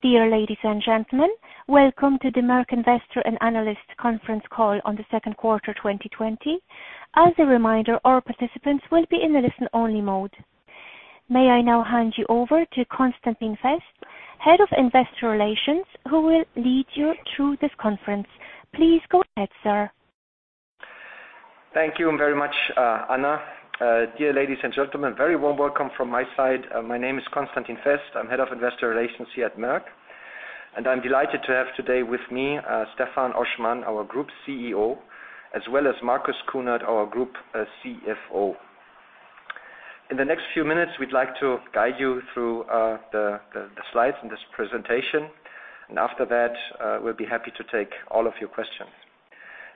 Dear ladies and gentlemen, welcome to the Merck Investor and Analyst Conference Call on the Second Quarter 2020. As a reminder, all participants will be in a listen-only mode. May I now hand you over to Constantin Fest, Head of Investor Relations, who will lead you through this conference. Please go ahead, sir. Thank you very much, Anna. Dear ladies and gentlemen, very warm welcome from my side. My name is Constantin Fest. I'm Head of Investor Relations here at Merck, and I'm delighted to have today with me, Stefan Oschmann, our Group CEO, as well as Marcus Kuhnert, our Group CFO. In the next few minutes, we'd like to guide you through the slides in this presentation, and after that, we'll be happy to take all of your questions.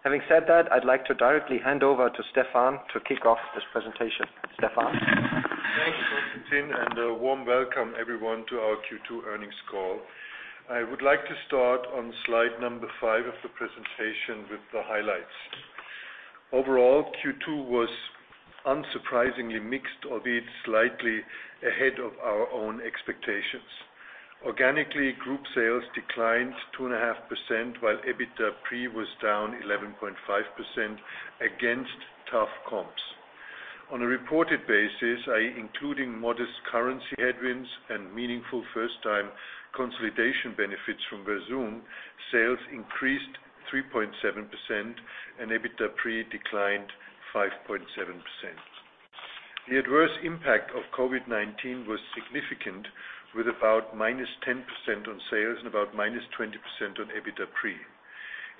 Having said that, I'd like to directly hand over to Stefan to kick off this presentation. Stefan? Thanks, Constantin, and a warm welcome, everyone, to our Q2 earnings call. I would like to start on slide number five of the presentation with the highlights. Overall, Q2 was unsurprisingly mixed, albeit slightly ahead of our own expectations. Organically, group sales declined 2.5%, while EBITDA pre was down 11.5% against tough comps. On a reported basis, including modest currency headwinds and meaningful first-time consolidation benefits from Versum, sales increased 3.7% and EBITDA pre declined 5.7%. The adverse impact of COVID-19 was significant, with about -10% on sales and about -20% on EBITDA pre.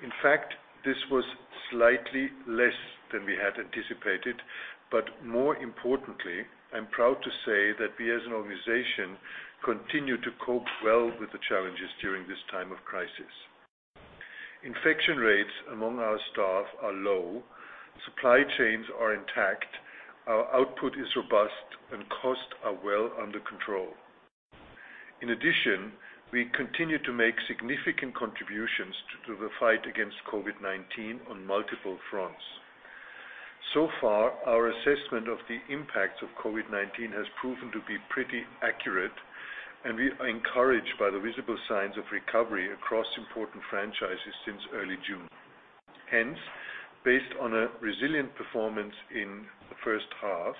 In fact, this was slightly less than we had anticipated, but more importantly, I'm proud to say that we as an organization continue to cope well with the challenges during this time of crisis. Infection rates among our staff are low, supply chains are intact, our output is robust, and costs are well under control. We continue to make significant contributions to the fight against COVID-19 on multiple fronts. Our assessment of the impacts of COVID-19 has proven to be pretty accurate, and we are encouraged by the visible signs of recovery across important franchises since early June. Based on a resilient performance in the first half,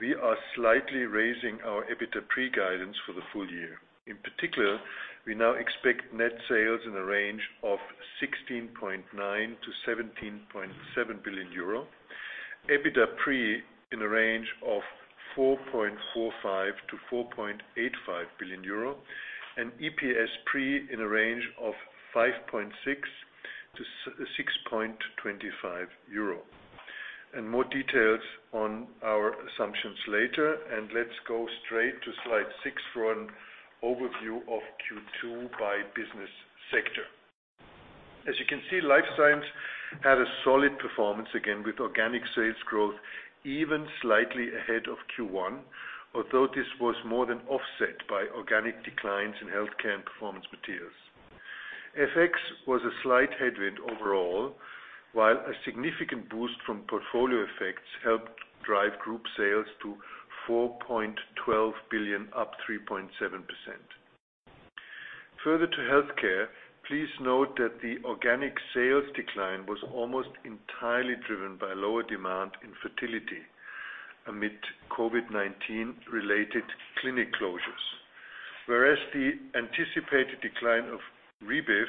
we are slightly raising our EBITDA pre guidance for the full year. We now expect net sales in the range of 16.9 billion-17.7 billion euro, EBITDA pre in a range of 4.45 billion-4.85 billion euro, and EPS pre in a range of 5.6-6.25 euro. More details on our assumptions later, and let's go straight to slide six for an overview of Q2 by business sector. As you can see, Life Science had a solid performance again with organic sales growth even slightly ahead of Q1, although this was more than offset by organic declines in Healthcare and Performance Materials. FX was a slight headwind overall, while a significant boost from portfolio effects helped drive group sales to 4.12 billion, up 3.7%. Further to Healthcare, please note that the organic sales decline was almost entirely driven by lower demand in fertility amid COVID-19 related clinic closures. Whereas the anticipated decline of Rebif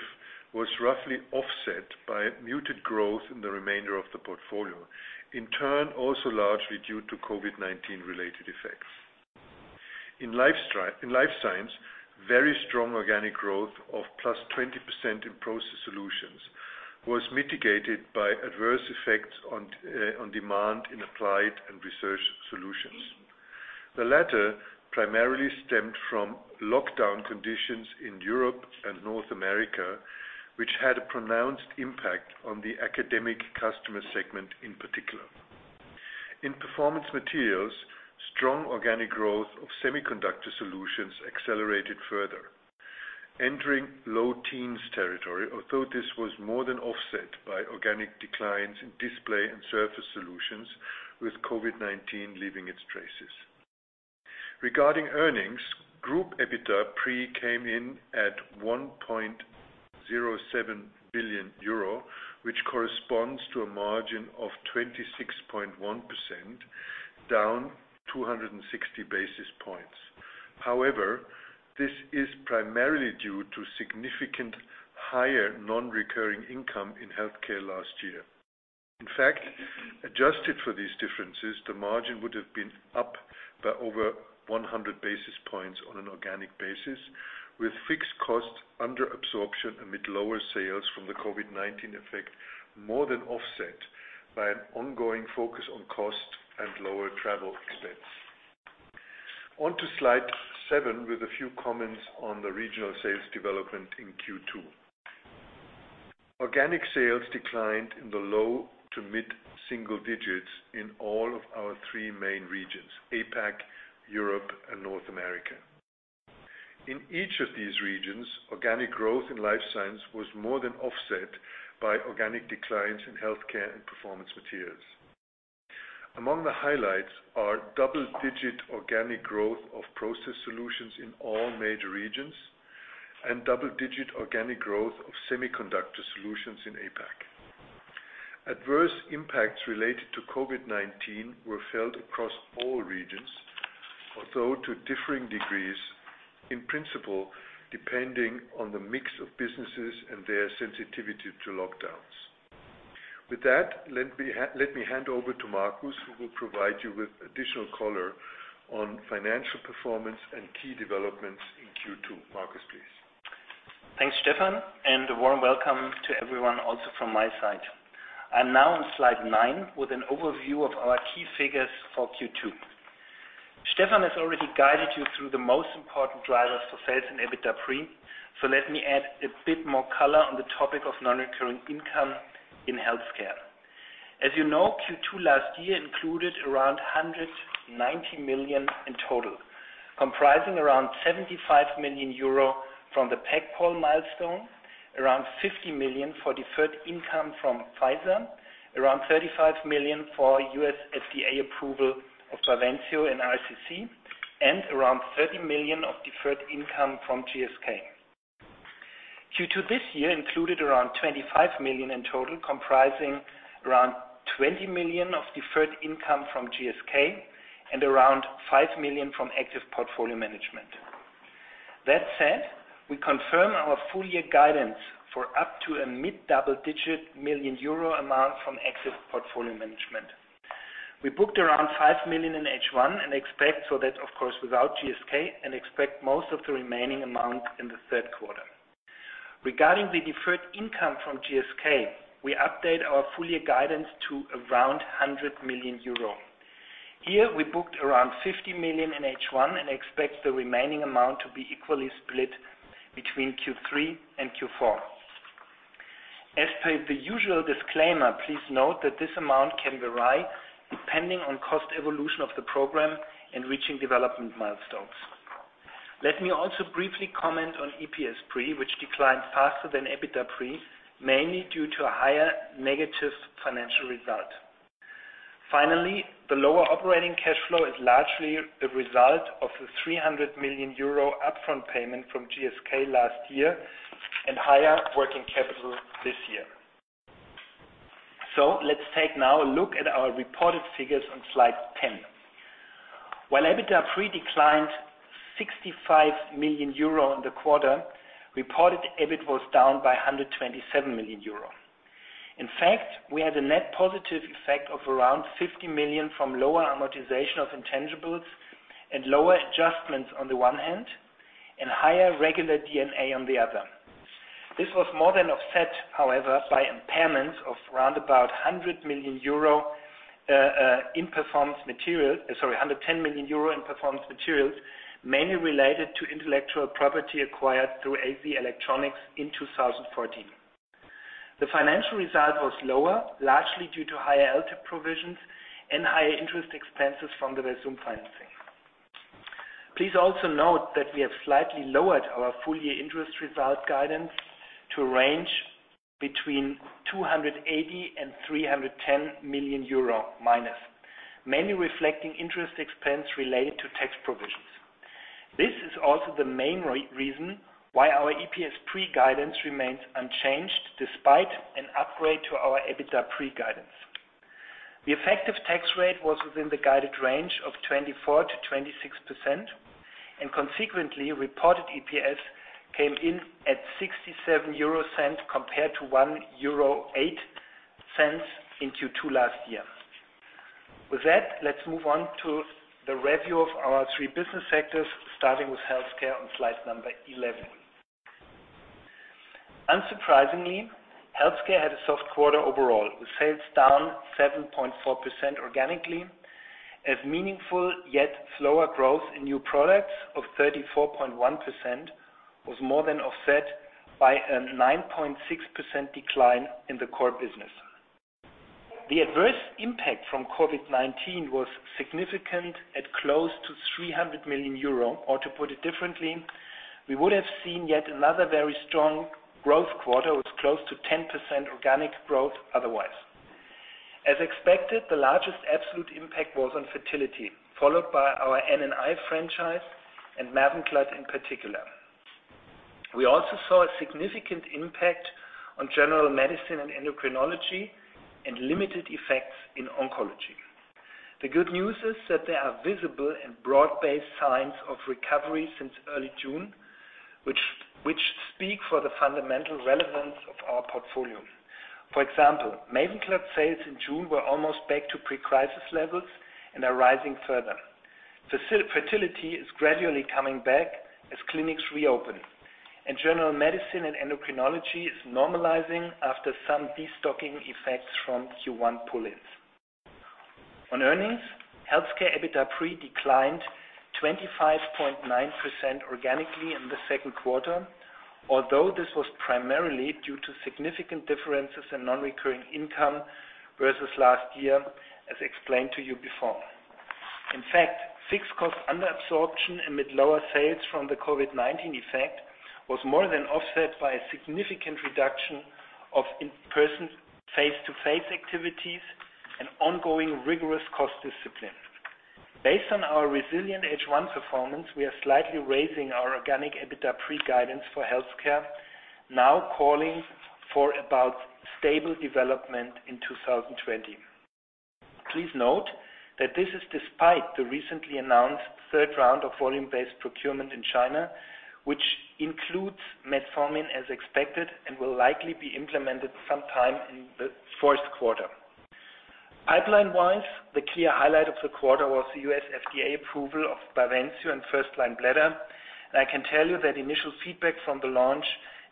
was roughly offset by muted growth in the remainder of the portfolio, in turn, also largely due to COVID-19 related effects. In Life Science, very strong organic growth of +20% in process solutions was mitigated by adverse effects on demand in applied and research solutions. The latter primarily stemmed from lockdown conditions in Europe and North America, which had a pronounced impact on the academic customer segment, in particular. In Performance Materials, strong organic growth of semiconductor solutions accelerated further, entering low teens territory, although this was more than offset by organic declines in display and surface solutions, with COVID-19 leaving its traces. Regarding earnings, group EBITDA pre came in at 1.07 billion euro, which corresponds to a margin of 26.1%, down 260 basis points. This is primarily due to significant higher non-recurring income in Healthcare last year. Adjusted for these differences, the margin would have been up by over 100 basis points on an organic basis, with fixed costs under absorption amid lower sales from the COVID-19 effect more than offset by an ongoing focus on cost and lower travel expense. On to slide seven with a few comments on the regional sales development in Q2. Organic sales declined in the low to mid single digits in all of our three main regions, APAC, Europe and North America. In each of these regions, organic growth in Life Science was more than offset by organic declines in Healthcare and Performance Materials. Among the highlights are double-digit organic growth of process solutions in all major regions and double-digit organic growth of semiconductor solutions in APAC. Adverse impacts related to COVID-19 were felt across all regions, although to differing degrees, in principle, depending on the mix of businesses and their sensitivity to lockdowns. With that, let me hand over to Marcus, who will provide you with additional color on financial performance and key developments in Q2. Marcus, please. Thanks, Stefan, and a warm welcome to everyone also from my side. I'm now on slide nine with an overview of our key figures for Q2. Stefan has already guided you through the most important drivers for sales and EBITDA pre. Let me add a bit more color on the topic of non-recurring income in healthcare. As you know, Q2 last year included around 190 million in total, comprising around 75 million euro from the Peg-Pal milestone, around 50 million for deferred income from Pfizer, around 35 million for U.S. FDA approval of BAVENCIO and RCC, and around 30 million of deferred income from GSK. Q2 this year included around 25 million in total, comprising around 20 million of deferred income from GSK and around 5 million from active portfolio management. That said, we confirm our full year guidance for up to a mid-double digit million EUR amount from active portfolio management. We booked around 5 million in H1 and expect, so that, of course, without GSK, and expect most of the remaining amount in the third quarter. Regarding the deferred income from GSK, we update our full year guidance to around 100 million euro. Here, we booked around 50 million in H1 and expect the remaining amount to be equally split between Q3 and Q4. As per the usual disclaimer, please note that this amount can vary, depending on cost evolution of the program and reaching development milestones. Let me also briefly comment on EPS pre, which declined faster than EBITDA pre, mainly due to a higher negative financial result. Finally, the lower operating cash flow is largely the result of the 300 million euro upfront payment from GSK last year and higher working capital this year. Let's take now a look at our reported figures on slide 10. While EBITDA pre declined 65 million euro in the quarter, reported EBIT was down by 127 million euro. In fact, we had a net positive effect of around 50 million from lower amortization of intangibles and lower adjustments on the one hand, and higher regular D&A on the other. This was more than offset, however, by impairments of around about 100 million euro in Performance Materials, sorry, 110 million euro in Performance Materials, mainly related to intellectual property acquired through AZ Electronic Materials in 2014. The financial result was lower, largely due to higher LTIP provisions and higher interest expenses from the Versum financing. Please also note that we have slightly lowered our full year interest result guidance to a range between 280 million and -310 million euro, mainly reflecting interest expense related to tax provisions. This is also the main reason why our EPS pre-guidance remains unchanged despite an upgrade to our EBITDA pre-guidance. The effective tax rate was within the guided range of 24%-26%, and consequently, reported EPS came in at 0.67 compared to 1.08 euro in Q2 last year. With that, let's move on to the review of our three business sectors, starting with healthcare on slide number 11. Unsurprisingly, healthcare had a soft quarter overall, with sales down 7.4% organically as meaningful, yet slower growth in new products of 34.1% was more than offset by a 9.6% decline in the core business. The adverse impact from COVID-19 was significant at close to 300 million euro, or to put it differently, we would have seen yet another very strong growth quarter with close to 10% organic growth otherwise. As expected, the largest absolute impact was on fertility, followed by our N&I franchise and MAVENCLAD in particular. We also saw a significant impact on general medicine and endocrinology and limited effects in oncology. The good news is that there are visible and broad-based signs of recovery since early June, which speak for the fundamental relevance of our portfolio. For example, MAVENCLAD sales in June were almost back to pre-crisis levels and are rising further. Fertility is gradually coming back as clinics reopen. General medicine and endocrinology is normalizing after some de-stocking effects from Q1 pull-ins. On earnings, Healthcare EBITDA pre declined 25.9% organically in the second quarter, although this was primarily due to significant differences in non-recurring income versus last year, as explained to you before. In fact, fixed cost under absorption amid lower sales from the COVID-19 effect was more than offset by a significant reduction of in-person face-to-face activities and ongoing rigorous cost discipline. Based on our resilient H1 performance, we are slightly raising our organic EBITDA pre-guidance for Healthcare, now calling for about stable development in 2020. Please note that this is despite the recently announced third round of volume-based procurement in China, which includes metformin as expected and will likely be implemented sometime in the fourth quarter. Pipeline-wise, the clear highlight of the quarter was the U.S. FDA approval of BAVENCIO in first-line bladder. I can tell you that initial feedback from the launch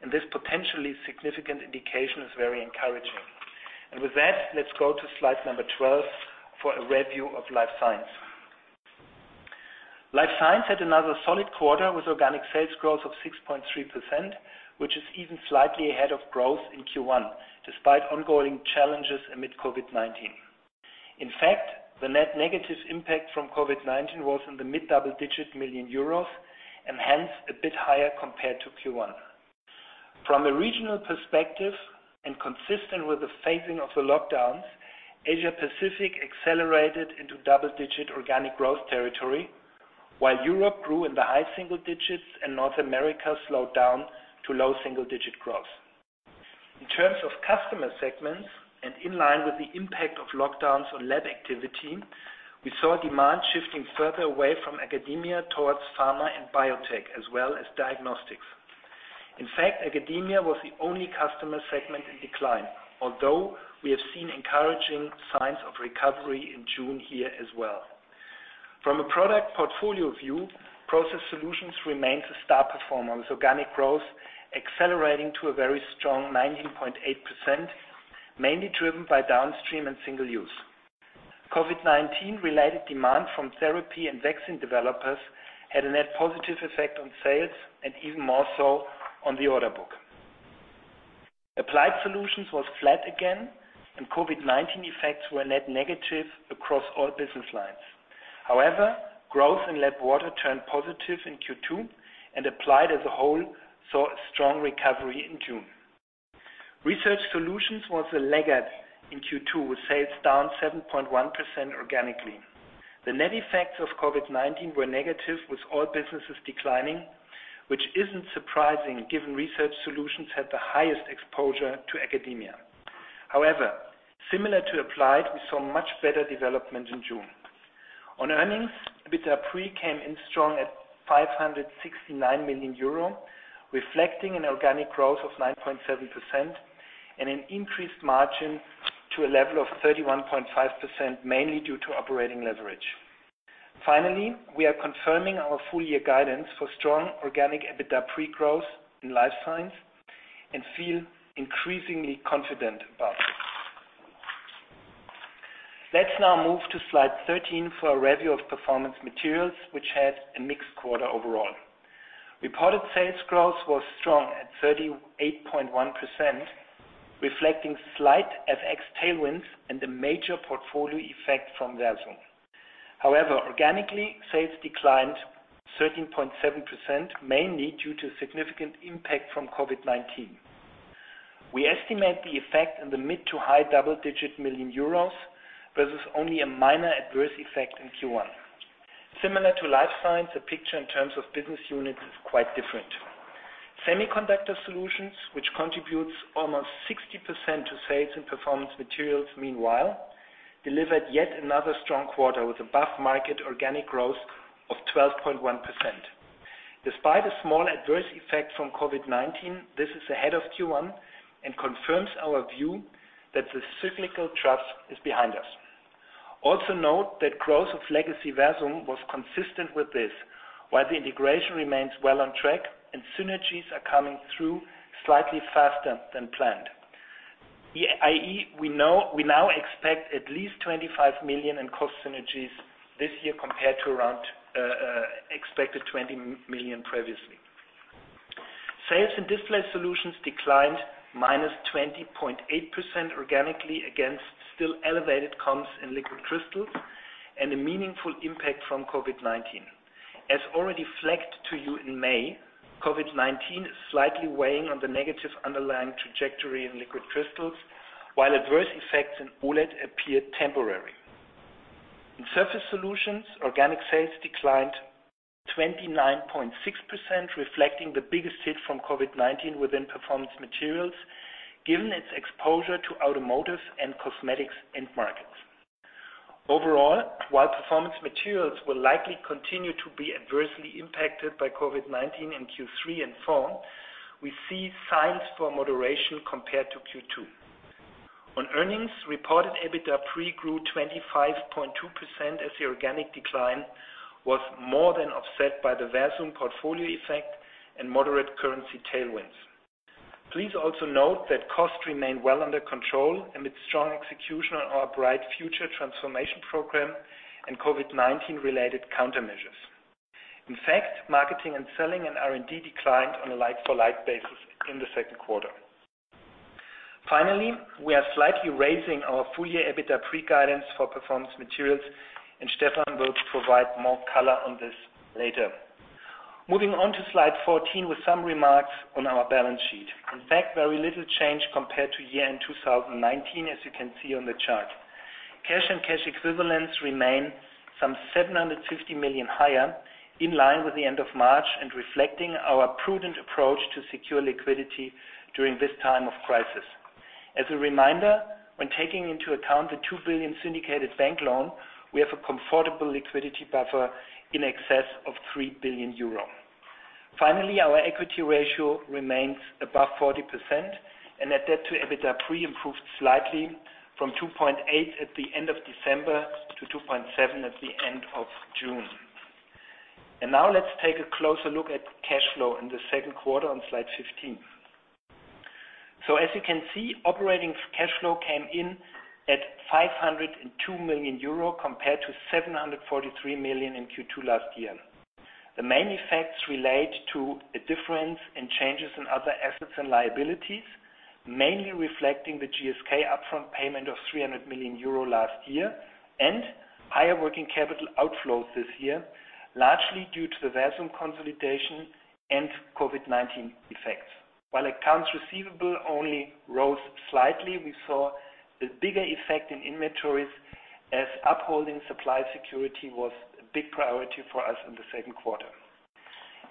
in this potentially significant indication is very encouraging. With that, let's go to slide number 12 for a review of Life Science. Life Science had another solid quarter with organic sales growth of 6.3%, which is even slightly ahead of growth in Q1 despite ongoing challenges amid COVID-19. In fact, the net negative impact from COVID-19 was in the mid double-digit million EUR and hence a bit higher compared to Q1. From a regional perspective and consistent with the phasing of the lockdowns, Asia Pacific accelerated into double-digit organic growth territory, while Europe grew in the high single digits and North America slowed down to low double-digit growth. In terms of customer segments and in line with the impact of lockdowns on lab activity, we saw demand shifting further away from academia towards pharma and biotech as well as diagnostics. In fact, academia was the only customer segment in decline, although we have seen encouraging signs of recovery in June here as well. From a product portfolio view, process solutions remains a star performer with organic growth accelerating to a very strong 19.8%, mainly driven by downstream and single use. COVID-19 related demand from therapy and vaccine developers had a net positive effect on sales and even more so on the order book. Applied solutions was flat again and COVID-19 effects were net negative across all business lines. However, growth in lab water turned positive in Q2 and applied as a whole saw a strong recovery in June. Research solutions was a laggard in Q2 with sales down 7.1% organically. The net effects of COVID-19 were negative, with all businesses declining, which isn't surprising given research solutions had the highest exposure to academia. Similar to Applied, we saw much better development in June. On earnings, EBITDA pre came in strong at 569 million euro, reflecting an organic growth of 9.7% and an increased margin to a level of 31.5%, mainly due to operating leverage. We are confirming our full year guidance for strong organic EBITDA pre-growth in Life Science and feel increasingly confident about this. Let's now move to slide 13 for a review of Performance Materials, which had a mixed quarter overall. Reported sales growth was strong at 38.1%, reflecting slight FX tailwinds and a major portfolio effect from Versum. Organically, sales declined 13.7%, mainly due to significant impact from COVID-19. We estimate the effect in the mid to high double-digit million euros versus only a minor adverse effect in Q1. Similar to Life Science, the picture in terms of business units is quite different. Semiconductor solutions, which contributes almost 60% to sales in Performance Materials meanwhile, delivered yet another strong quarter with above market organic growth of 12.1%. Despite a small adverse effect from COVID-19, this is ahead of Q1 and confirms our view that the cyclical trust is behind us. Also note that growth of legacy Versum was consistent with this, while the integration remains well on track and synergies are coming through slightly faster than planned, i.e., we now expect at least 25 million in cost synergies this year compared to around expected 20 million previously. Sales in display solutions declined -20.8% organically against still elevated comps in liquid crystals and a meaningful impact from COVID-19. As already flagged to you in May, COVID-19 is slightly weighing on the negative underlying trajectory in liquid crystals, while adverse effects in OLED appear temporary. In surface solutions, organic sales declined 29.6%, reflecting the biggest hit from COVID-19 within Performance Materials given its exposure to automotive and cosmetics end markets. Overall, while Performance Materials will likely continue to be adversely impacted by COVID-19 in Q3 and 4, we see signs for moderation compared to Q2. On earnings, reported EBITDA pre grew 25.2% as the organic decline was more than offset by the Versum portfolio effect and moderate currency tailwinds. Please also note that costs remain well under control amid strong execution on our Bright Future transformation program and COVID-19 related countermeasures. In fact, marketing and selling and R&D declined on a like-for-like basis in the second quarter. Finally, we are slightly raising our full year EBITDA pre-guidance for Performance Materials. Stefan will provide more color on this later. Moving on to slide 14 with some remarks on our balance sheet. In fact, very little change compared to year-end 2019, as you can see on the chart. Cash and cash equivalents remain some 750 million higher, in line with the end of March and reflecting our prudent approach to secure liquidity during this time of crisis. As a reminder, when taking into account the 2 billion syndicated bank loan, we have a comfortable liquidity buffer in excess of 3 billion euro. Finally, our equity ratio remains above 40%. Our debt to EBITDA pre-improved slightly from 2.8 at the end of December to 2.7 at the end of June. Now let's take a closer look at cash flow in the second quarter on slide 15. As you can see, operating cash flow came in at 502 million euro compared to 743 million in Q2 last year. The main effects relate to a difference in changes in other assets and liabilities, mainly reflecting the GSK upfront payment of 300 million euro last year and higher working capital outflows this year, largely due to the Versum consolidation and COVID-19 effects. While accounts receivable only rose slightly, we saw a bigger effect in inventories as upholding supply security was a big priority for us in the second quarter.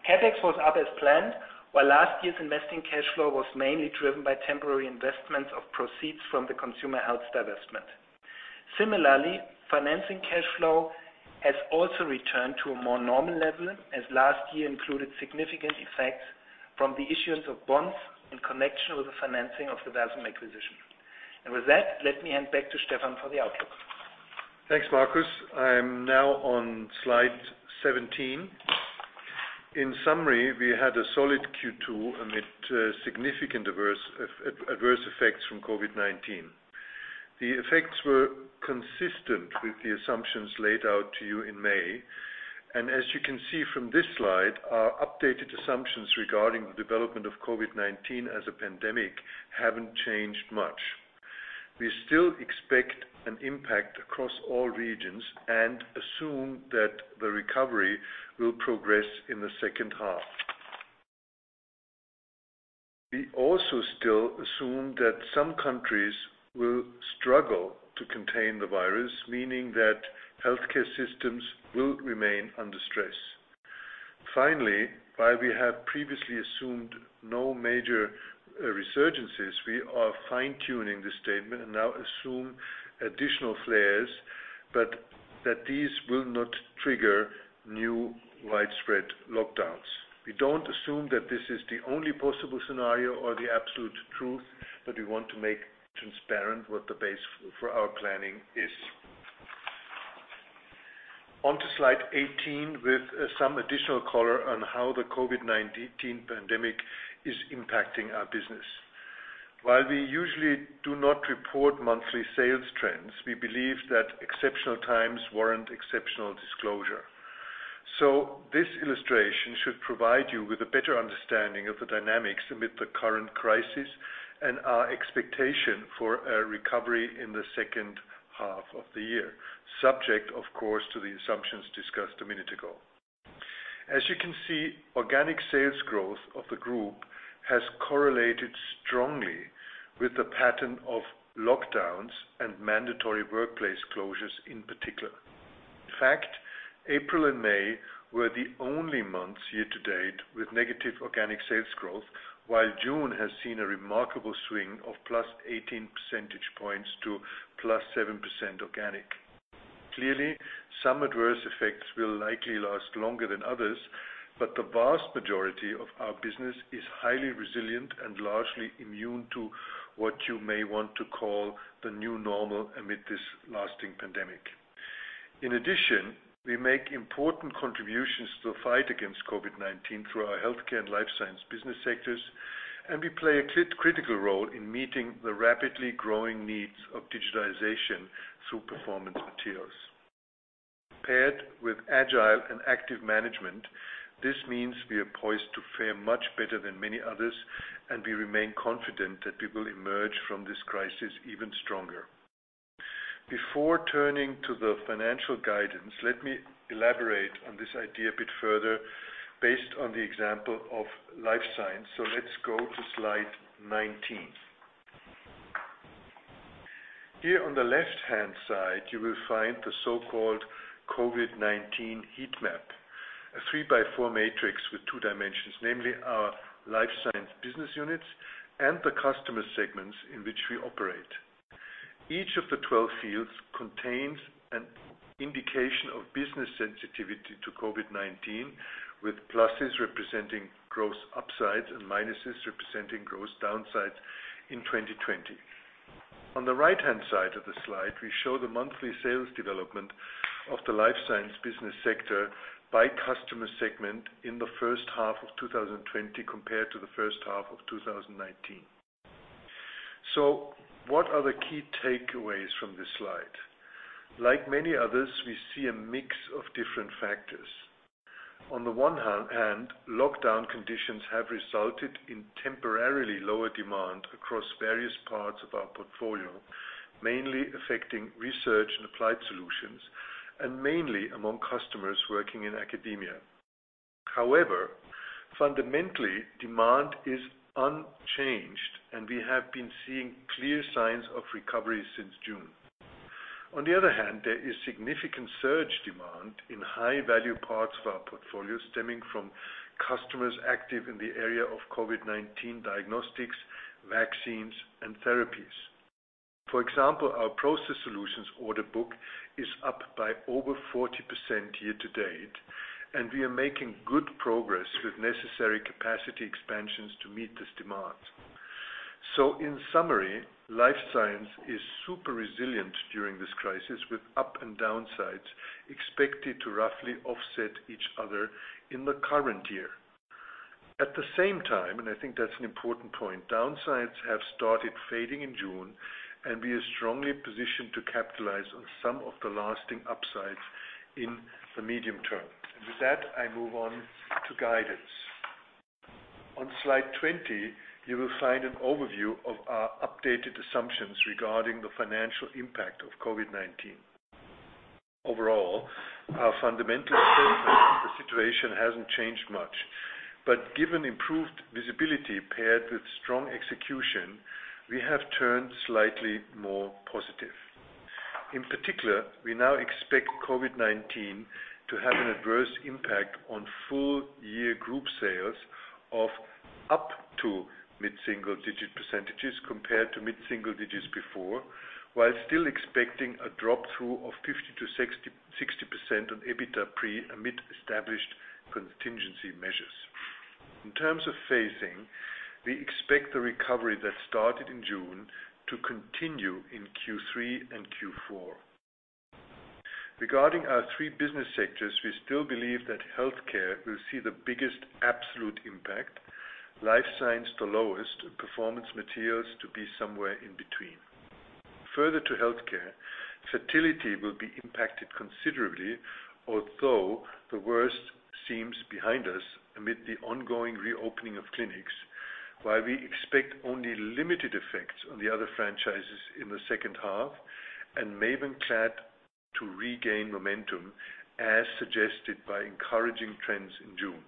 CapEx was up as planned, while last year's investing cash flow was mainly driven by temporary investments of proceeds from the consumer health divestment. Similarly, financing cash flow has also returned to a more normal level, as last year included significant effects from the issuance of bonds in connection with the financing of the Versum acquisition. With that, let me hand back to Stefan for the outlook. Thanks, Marcus. I'm now on slide 17. In summary, we had a solid Q2 amid significant adverse effects from COVID-19. The effects were consistent with the assumptions laid out to you in May. As you can see from this slide, our updated assumptions regarding the development of COVID-19 as a pandemic haven't changed much. We still expect an impact across all regions and assume that the recovery will progress in the second half. We also still assume that some countries will struggle to contain the virus, meaning that healthcare systems will remain under stress. While we have previously assumed no major resurgences, we are fine-tuning this statement and now assume additional flares, but that these will not trigger new widespread lockdowns. We don't assume that this is the only possible scenario or the absolute truth, but we want to make transparent what the base for our planning is. On to slide 18 with some additional color on how the COVID-19 pandemic is impacting our business. While we usually do not report monthly sales trends, we believe that exceptional times warrant exceptional disclosure. This illustration should provide you with a better understanding of the dynamics amid the current crisis and our expectation for a recovery in the second half of the year, subject, of course, to the assumptions discussed a minute ago. As you can see, organic sales growth of the group has correlated strongly with the pattern of lockdowns and mandatory workplace closures in particular. In fact, April and May were the only months year to date with negative organic sales growth, while June has seen a remarkable swing of +18 percentage points to +7% organic. Clearly, some adverse effects will likely last longer than others, but the vast majority of our business is highly resilient and largely immune to what you may want to call the new normal amid this lasting pandemic. In addition, we make important contributions to the fight against COVID-19 through our healthcare and Life Science business sectors, and we play a critical role in meeting the rapidly growing needs of digitalization through Performance Materials. Paired with agile and active management, this means we are poised to fare much better than many others, and we remain confident that we will emerge from this crisis even stronger. Before turning to the financial guidance, let me elaborate on this idea a bit further based on the example of Life Science. Let's go to slide 19. Here on the left-hand side, you will find the so-called COVID-19 heat map, a three by four matrix with two dimensions, namely our Life Science business units and the customer segments in which we operate. Each of the 12 fields contains an indication of business sensitivity to COVID-19, with pluses representing gross upsides and minuses representing gross downsides in 2020. On the right-hand side of the slide, we show the monthly sales development of the Life Science business sector by customer segment in the first half of 2020 compared to the first half of 2019. What are the key takeaways from this slide? Like many others, we see a mix of different factors. On the one hand, lockdown conditions have resulted in temporarily lower demand across various parts of our portfolio, mainly affecting research and applied solutions and mainly among customers working in academia. However, fundamentally, demand is unchanged, and we have been seeing clear signs of recovery since June. On the other hand, there is significant surge demand in high-value parts of our portfolio stemming from customers active in the area of COVID-19 diagnostics, vaccines, and therapies. For example, our process solutions order book is up by over 40% year-to-date, and we are making good progress with necessary capacity expansions to meet this demand. In summary, Life Science is super resilient during this crisis, with up and downsides expected to roughly offset each other in the current year. At the same time, and I think that's an important point, downsides have started fading in June, and we are strongly positioned to capitalize on some of the lasting upsides in the medium term. With that, I move on to guidance. On slide 20, you will find an overview of our updated assumptions regarding the financial impact of COVID-19. Overall, our fundamental assessment of the situation hasn't changed much, but given improved visibility paired with strong execution, we have turned slightly more positive. In particular, we now expect COVID-19 to have an adverse impact on full-year group sales of up to mid-single digit percentages compared to mid-single digits before, while still expecting a drop-through of 50%-60% on EBITDA pre amid established contingency measures. In terms of phasing, we expect the recovery that started in June to continue in Q3 and Q4. Regarding our three business sectors, we still believe that Healthcare will see the biggest absolute impact, Life Science the lowest, and Performance Materials to be somewhere in between. Further to healthcare, fertility will be impacted considerably, although the worst seems behind us amid the ongoing reopening of clinics, while we expect only limited effects on the other franchises in the second half and MAVENCLAD to regain momentum, as suggested by encouraging trends in June.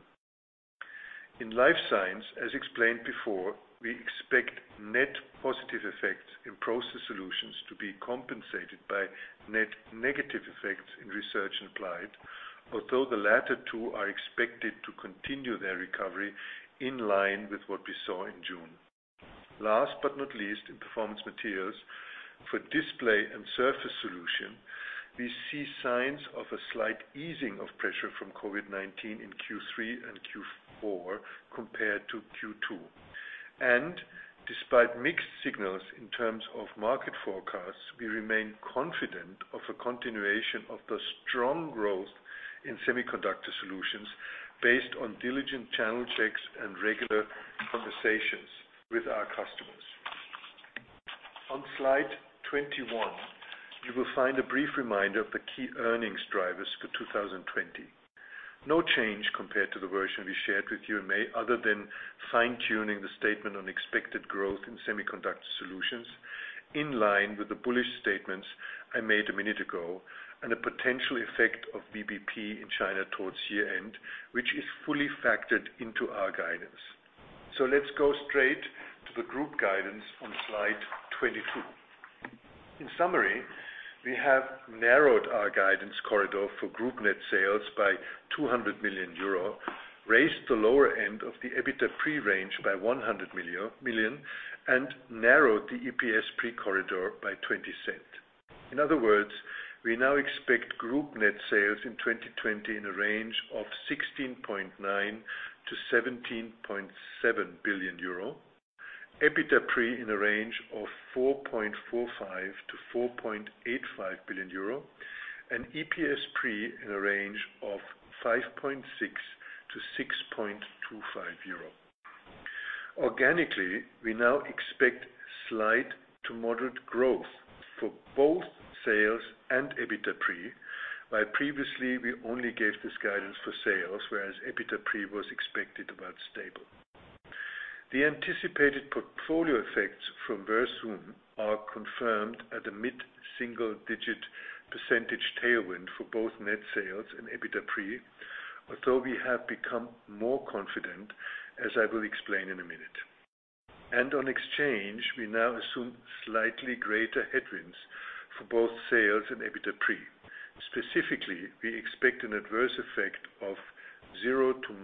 In life science, as explained before, we expect net positive effects in process solutions to be compensated by net negative effects in research and applied, although the latter two are expected to continue their recovery in line with what we saw in June. Last but not least, in Performance Materials for display and surface solution, we see signs of a slight easing of pressure from COVID-19 in Q3 and Q4 compared to Q2. Despite mixed signals in terms of market forecasts, we remain confident of a continuation of the strong growth in semiconductor solutions based on diligent channel checks and regular conversations with our customers. On slide 21, you will find a brief reminder of the key earnings drivers for 2020. No change compared to the version we shared with you in May, other than fine-tuning the statement on expected growth in semiconductor solutions in line with the bullish statements I made a minute ago and a potential effect of VBP in China towards year-end, which is fully factored into our guidance. Let's go straight to the group guidance on slide 22. In summary, we have narrowed our guidance corridor for group net sales by 200 million euro, raised the lower end of the EBITDA pre-range by 100 million, and narrowed the EPS pre-corridor by 0.20. In other words, we now expect group net sales in 2020 in a range of 16.9 billion-17.7 billion euro, EBITDA pre in a range of 4.45 billion-4.85 billion euro, and EPS pre in a range of 5.6-6.25 euro. Organically, we now expect slight to moderate growth for both sales and EBITDA pre, while previously we only gave this guidance for sales, whereas EBITDA pre was expected about stable. The anticipated portfolio effects from Versum are confirmed at a mid-single-digit percentage tailwind for both net sales and EBITDA pre, although we have become more confident, as I will explain in a minute. On exchange, we now assume slightly greater headwinds for both sales and EBITDA pre. Specifically, we expect an adverse effect of 0% to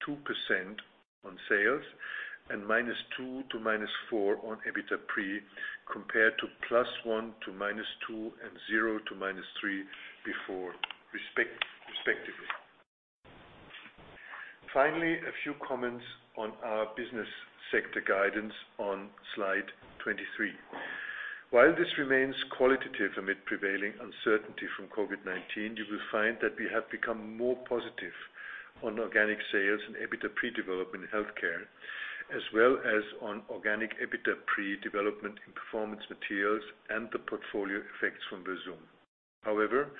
-2% on sales and -2% to -4% on EBITDA pre, compared to +1% to -2% and 0% to -3% before, respectively. Finally, a few comments on our business sector guidance on Slide 23. While this remains qualitative amid prevailing uncertainty from COVID-19, you will find that we have become more positive on organic sales and EBITDA pre-development in Healthcare, as well as on organic EBITDA pre-development in Performance Materials and the portfolio effects from Versum. However,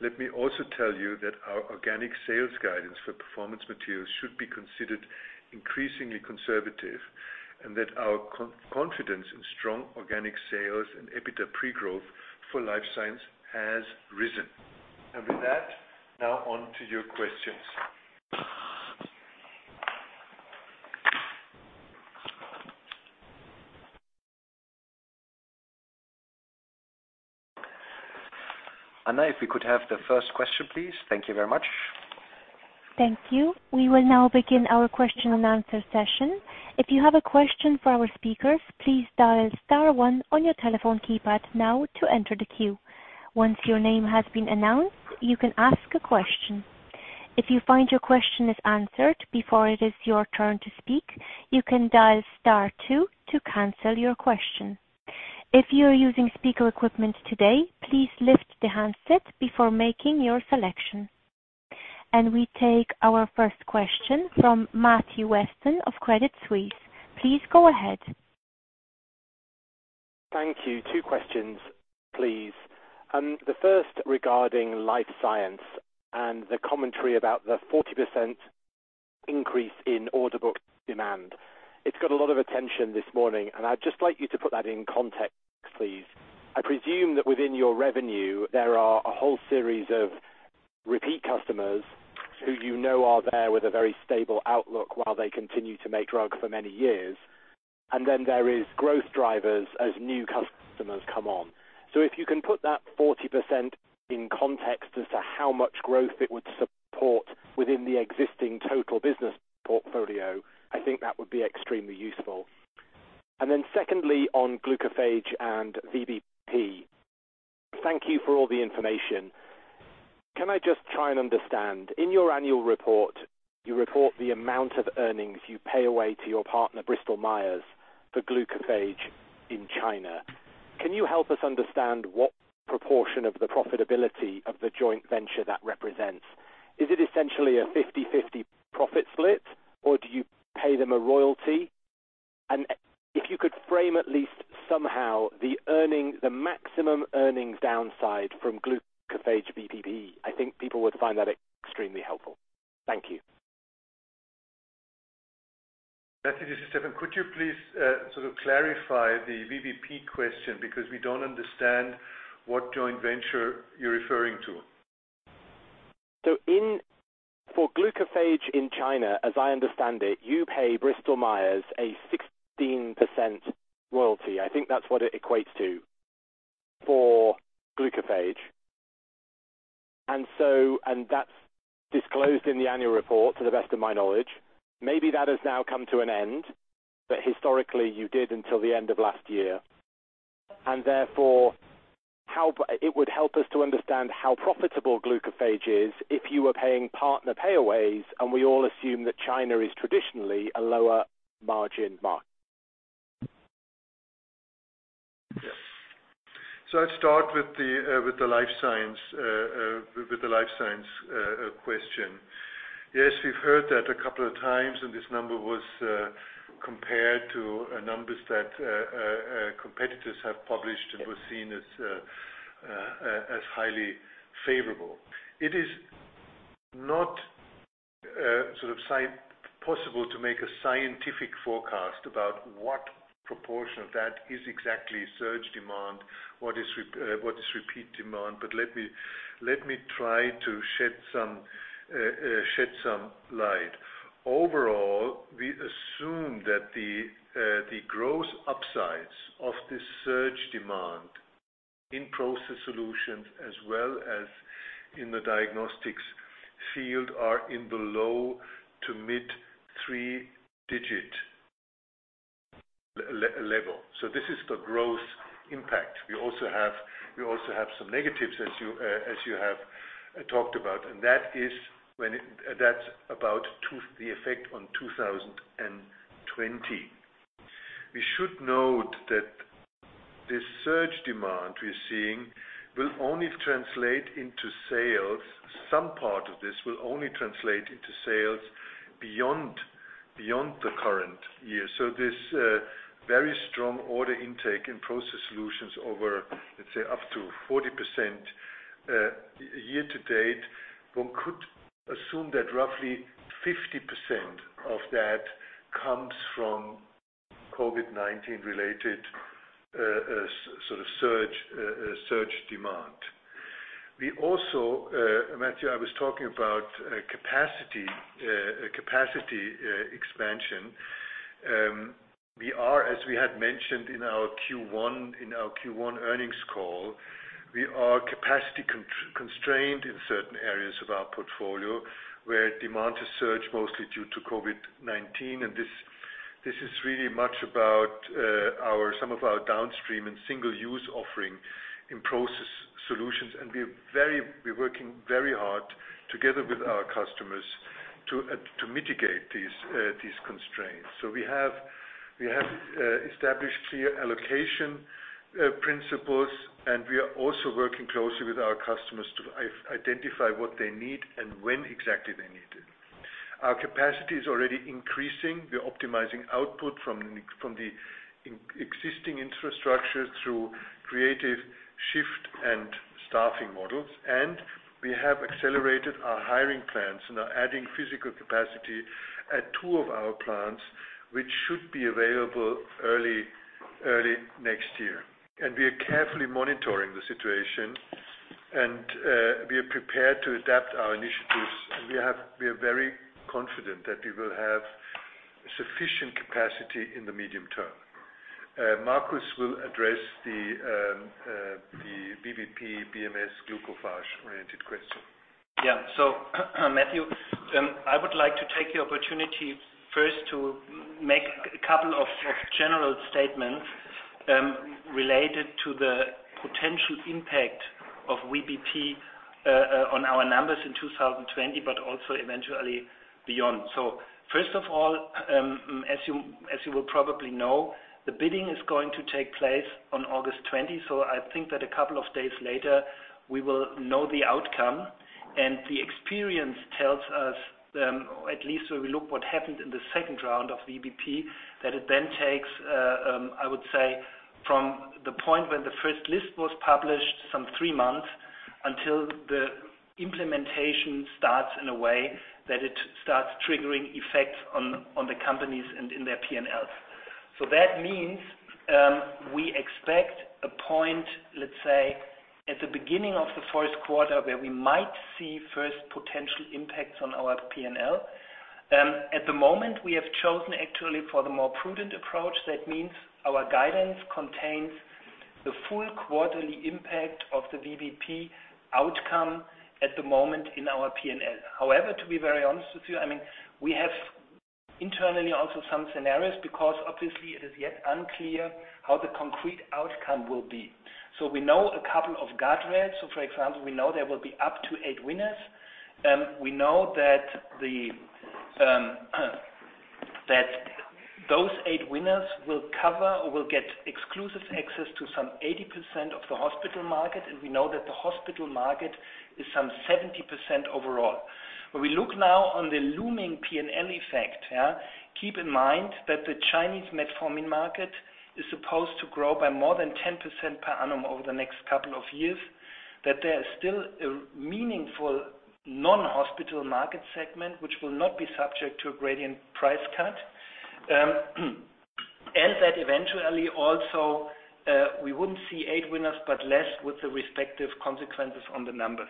let me also tell you that our organic sales guidance for Performance Materials should be considered increasingly conservative, and that our confidence in strong organic sales and EBITDA pre-growth for Life Science has risen. With that, now on to your questions. Anna, if we could have the first question, please. Thank you very much. Thank you. We will now begin our question and answer session. If you have a question for our speakers, please dial star one on your telephone keypad now to enter the queue. Once your name has been announced, you can ask a question. If you find your question is answered before it is your turn to speak, you can dial star two to cancel your question. If you are using speaker equipment today, please lift the handset before making your selection. We take our first question from Matthew Weston of Credit Suisse. Please go ahead. Thank you. Two questions, please. The first regarding Life Science and the commentary about the 40% increase in order book demand. It's got a lot of attention this morning, I'd just like you to put that in context, please. I presume that within your revenue, there are a whole series of repeat customers who you know are there with a very stable outlook while they continue to make drugs for many years. There is growth drivers as new customers come on. If you can put that 40% in context as to how much growth it would support within the existing total business portfolio, I think that would be extremely useful. Secondly, on Glucophage and VBP. Thank you for all the information. Can I just try and understand, in your annual report, you report the amount of earnings you pay away to your partner, Bristol-Myers Squibb, for Glucophage in China. Can you help us understand what proportion of the profitability of the joint venture that represents? Is it essentially a 50/50 profit split, or do you pay them a royalty? If you could frame at least somehow the maximum earnings downside from Glucophage VBP, I think people would find that extremely helpful. Thank you. Matthew, this is Stefan. Could you please clarify the VBP question? We don't understand what joint venture you're referring to. For Glucophage in China, as I understand it, you pay Bristol-Myers Squibb a 16% royalty. I think that's what it equates to for Glucophage. That's disclosed in the annual report to the best of my knowledge. Maybe that has now come to an end, but historically, you did until the end of last year. Therefore, it would help us to understand how profitable Glucophage is if you were paying partner payaways, and we all assume that China is traditionally a lower margin market. Yes. I'll start with the Life Science question. Yes, we've heard that a couple of times, and this number was compared to numbers that competitors have published and was seen as highly favorable. It is not possible to make a scientific forecast about what proportion of that is exactly surge demand, what is repeat demand. Let me try to shed some light. Overall, we assume that the growth upsides of this surge demand in Process Solutions as well as in the Diagnostics field are in the low to mid 3-digit level. This is the growth impact. We also have some negatives as you have talked about. That's about the effect on 2020. We should note that this surge demand we're seeing will only translate into sales. Some part of this will only translate into sales beyond the current year. This very strong order intake in Process Solutions over, let's say up to 40% year to date, one could assume that roughly 50% of that comes from COVID-19 related surge demand. We also, Matthew, I was talking about capacity expansion. We are, as we had mentioned in our Q1 earnings call, we are capacity constrained in certain areas of our portfolio where demand has surged mostly due to COVID-19. This is really much about some of our downstream and single-use offering in process solutions. We're working very hard together with our customers to mitigate these constraints. We have established clear allocation principles, and we are also working closely with our customers to identify what they need and when exactly they need it. Our capacity is already increasing. We're optimizing output from the existing infrastructure through creative shift and staffing models. We have accelerated our hiring plans and are adding physical capacity at two of our plants, which should be available early next year. We are carefully monitoring the situation, and we are prepared to adapt our initiatives. We are very confident that we will have sufficient capacity in the medium term. Marcus will address the VBP BMS Glucophage-oriented question. Matthew Weston, I would like to take the opportunity first to make a couple of general statements related to the potential impact of VBP on our numbers in 2020, but also eventually beyond. First of all, as you will probably know, the bidding is going to take place on August 20. I think that a couple of days later, we will know the outcome. The experience tells us, at least when we look what happened in the second round of VBP, that it then takes, I would say, from the point when the first list was published some three months until the implementation starts in a way that it starts triggering effects on the companies and in their P&Ls. That means we expect a point, let's say, at the beginning of the first quarter where we might see first potential impacts on our P&L. At the moment, we have chosen actually for the more prudent approach. That means our guidance contains the full quarterly impact of the VBP outcome at the moment in our P&L. To be very honest with you, we have internally also some scenarios because obviously it is yet unclear how the concrete outcome will be. We know a couple of guardrails. For example, we know there will be up to eight winners. We know that those eight winners will get exclusive access to some 80% of the hospital market, and we know that the hospital market is some 70% overall. When we look now on the looming P&L effect, keep in mind that the Chinese metformin market is supposed to grow by more than 10% per annum over the next couple of years. That there is still a meaningful non-hospital market segment, which will not be subject to a gradient price cut. That eventually also, we wouldn't see eight winners, but less with the respective consequences on the numbers.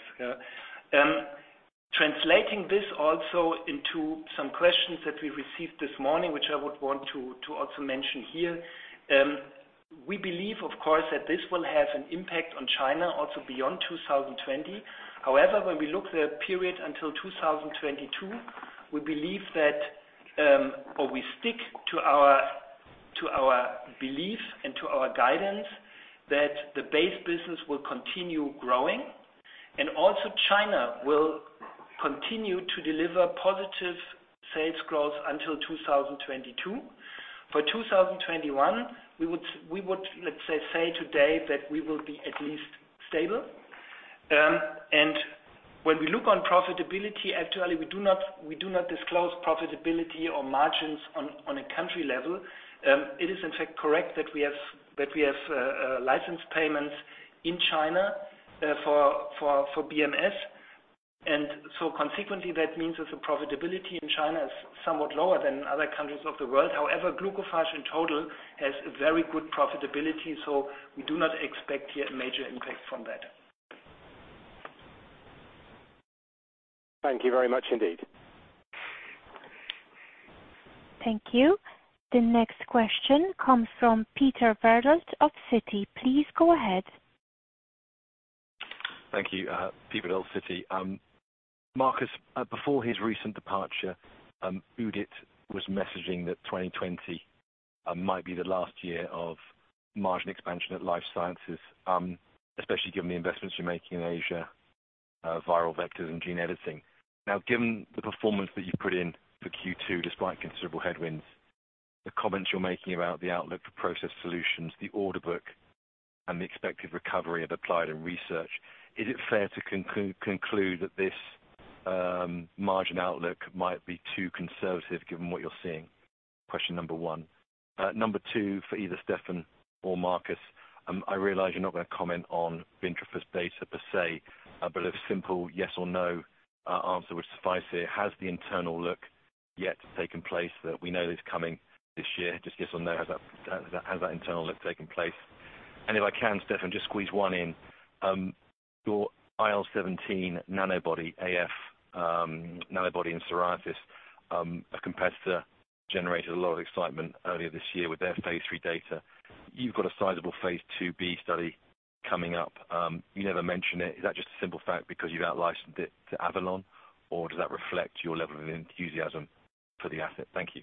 Translating this also into some questions that we received this morning, which I would want to also mention here. We believe, of course, that this will have an impact on China also beyond 2020. However, when we look at the period until 2022, we stick to our belief and to our guidance that the base business will continue growing. Also China will continue to deliver positive sales growth until 2022. For 2021, we would, let's say today that we will be at least stable. When we look on profitability, actually, we do not disclose profitability or margins on a country level. It is in fact correct that we have license payments in China for BMS. Consequently, that means that the profitability in China is somewhat lower than other countries of the world. However, Glucophage in total has a very good profitability, so we do not expect yet a major impact from that. Thank you very much indeed. Thank you. The next question comes from Peter Verdult of Citi. Please go ahead. Thank you. Peter Verdult, Citi. Marcus, before his recent departure, Udit was messaging that 2020 might be the last year of margin expansion at Life Science, especially given the investments you're making in Asia, viral vectors and gene editing. Now, given the performance that you've put in for Q2, despite considerable headwinds, the comments you're making about the outlook for process solutions, the order book and the expected recovery of applied and research, is it fair to conclude that this margin outlook might be too conservative given what you're seeing? Question number 1. Number 2, for either Stefan or Marcus. I realize you're not going to comment on bintrafusp data per se, but a simple yes or no answer would suffice here. Has the internal look-Yet to have taken place, that we know is coming this year. Just yes or no, has that internal look taken place? If I can, Stefan, just squeeze one in. Your IL-17 A/F nanobody in psoriasis, a competitor generated a lot of excitement earlier this year with their phase III data. You've got a sizable phase IIb study coming up. You never mention it. Is that just a simple fact because you've out-licensed it to Avillion, or does that reflect your level of enthusiasm for the asset? Thank you.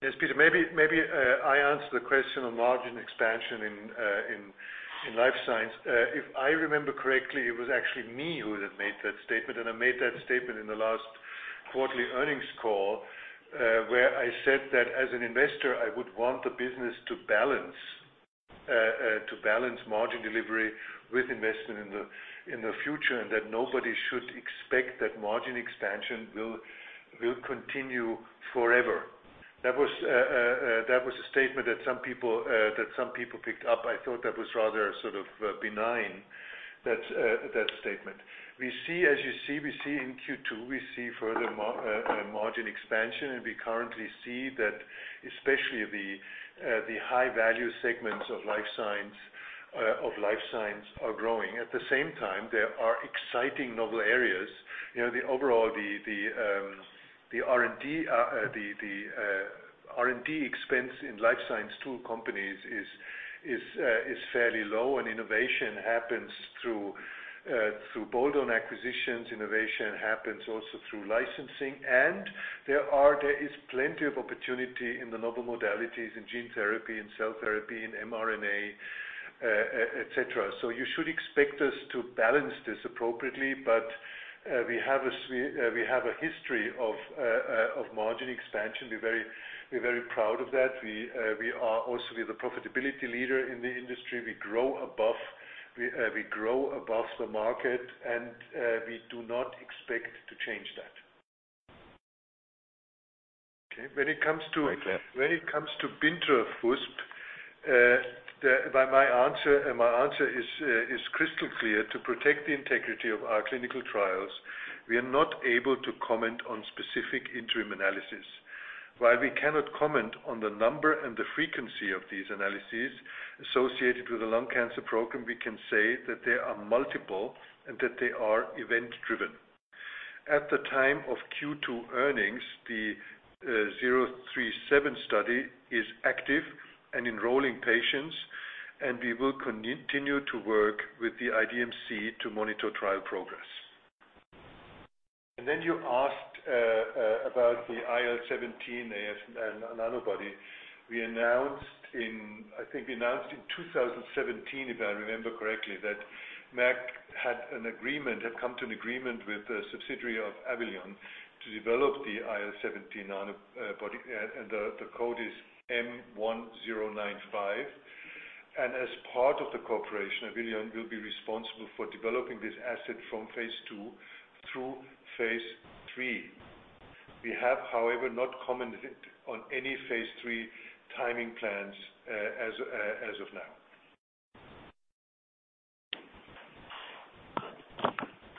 Yes, Peter, maybe I answer the question on margin expansion in Life Science. If I remember correctly, it was actually me who had made that statement, and I made that statement in the last quarterly earnings call. Where I said that as an investor, I would want the business to balance margin delivery with investment in the future, and that nobody should expect that margin expansion will continue forever. That was a statement that some people picked up. I thought that was rather sort of benign, that statement. As you see, we see in Q2, we see further margin expansion, and we currently see that especially the high-value segments of Life Science are growing. At the same time, there are exciting novel areas. Overall, the R&D expense in Life Science tool companies is fairly low, and innovation happens through bolt-on acquisitions. Innovation happens also through licensing. There is plenty of opportunity in the novel modalities in gene therapy and cell therapy and mRNA, et cetera. You should expect us to balance this appropriately, but we have a history of margin expansion. We are very proud of that. We are also the profitability leader in the industry. We grow above the market, and we do not expect to change that. Right there. When it comes to bintrafusp, my answer is crystal clear. To protect the integrity of our clinical trials, we are not able to comment on specific interim analysis. While we cannot comment on the number and the frequency of these analyses associated with the lung cancer program, we can say that they are multiple and that they are event-driven. At the time of Q2 earnings, the 037 study is active and enrolling patients, and we will continue to work with the IDMC to monitor trial progress. You asked about the IL-17A/F nanobody. I think we announced in 2017, if I remember correctly, that Merck had come to an agreement with a subsidiary of Avillion to develop the IL-17 nanobody, and the code is M1095. As part of the cooperation, Avillion will be responsible for developing this asset from phase II through phase III. We have, however, not commented on any phase III timing plans as of now.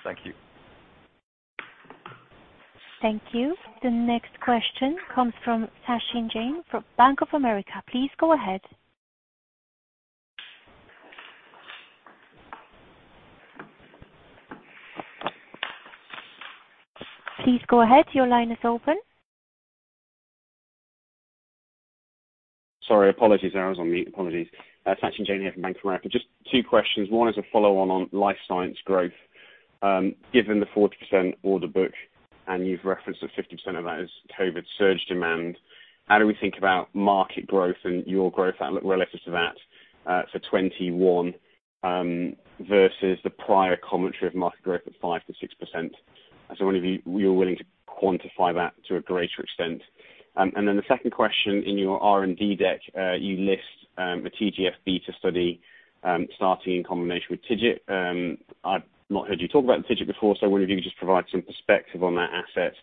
Thank you. Thank you. The next question comes from Sachin Jain from Bank of America. Please go ahead. Your line is open. Sorry, apologies. I was on mute. Apologies. Sachin Jain here from Bank of America. Just two questions. One is a follow-on on Life Science growth. Given the 40% order book, and you've referenced that 50% of that is COVID surge demand, how do we think about market growth and your growth relative to that for 2021 versus the prior commentary of market growth at 5%-6%? I was wondering if you were willing to quantify that to a greater extent. The second question, in your R&D deck, you list a TGF-beta study starting in combination with TIGIT. I've not heard you talk about TIGIT before, I wonder if you could just provide some perspective on that asset,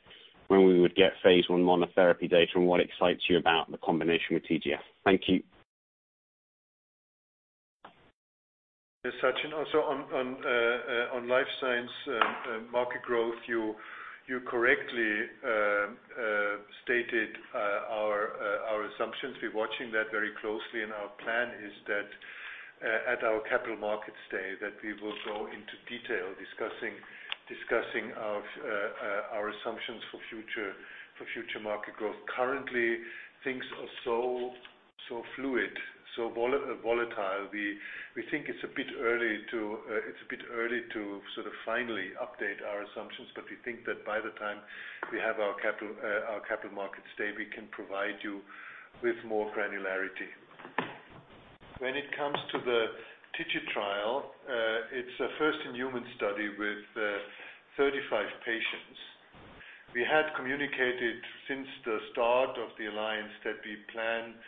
when we would get phase I monotherapy data, and what excites you about the combination with TGF. Thank you. Yes, Sachin. Also, on Life Science market growth, you correctly stated our assumptions. We're watching that very closely. Our plan is that at our Capital Markets Day, that we will go into detail discussing our assumptions for future market growth. Currently, things are so fluid, so volatile. We think it's a bit early to sort of finally update our assumptions. We think that by the time we have our Capital Markets Day, we can provide you with more granularity. When it comes to the TIGIT trial, it's a first-in-human study with 35 patients. We had communicated since the start of the alliance that we plan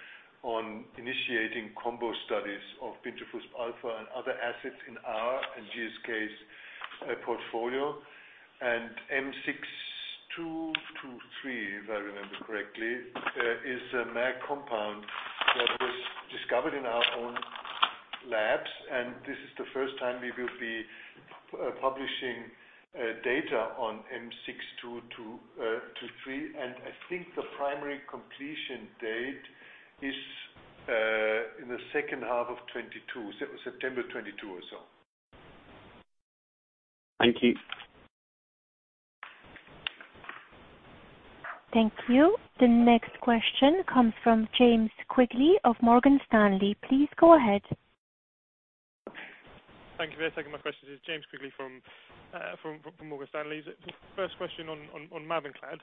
on initiating combo studies of bintrafusp alfa and other assets in our and GSK's portfolio. M6223, if I remember correctly, is a mAb compound that was discovered in our own labs, and this is the first time we will be publishing data on M6223. I think the primary completion date is in the second half of 2022, September 2022 or so. Thank you. Thank you. The next question comes from James Quigley of Morgan Stanley. Please go ahead. Thank you for taking my questions. This is James Quigley from Morgan Stanley. The first question on MAVENCLAD.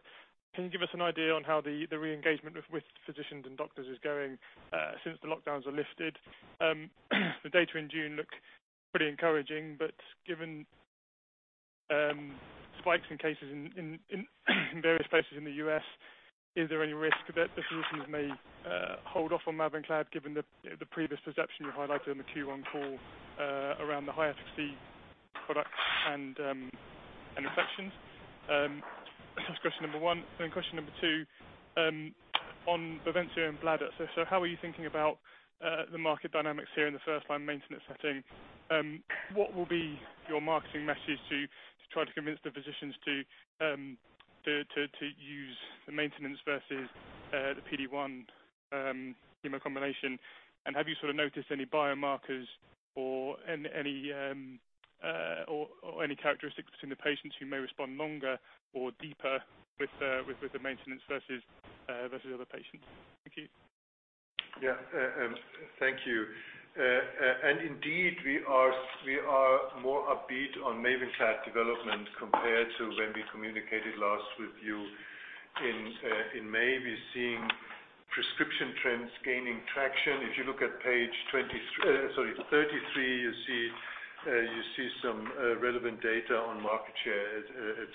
Can you give us an idea on how the re-engagement with physicians and doctors is going since the lockdowns are lifted? The data in June look pretty encouraging, given spikes in cases in various places in the U.S., is there any risk that physicians may hold off on MAVENCLAD given the previous perception you highlighted on the Q1 call around the higher COVID-19 and infections? That's question number one. Question number two, on BAVENCIO and bladder. How are you thinking about the market dynamics here in the first-line maintenance setting? What will be your marketing message to try to convince the physicians to use the maintenance versus the PD-1 chemo combination? Have you sort of noticed any biomarkers or any characteristics between the patients who may respond longer or deeper with the maintenance versus other patients? Thank you. Yeah. Thank you. Indeed, we are more upbeat on MAVENCLAD development compared to when we communicated last with you in May. We're seeing prescription trends gaining traction. If you look at page 23, sorry, 33, you see some relevant data on market share,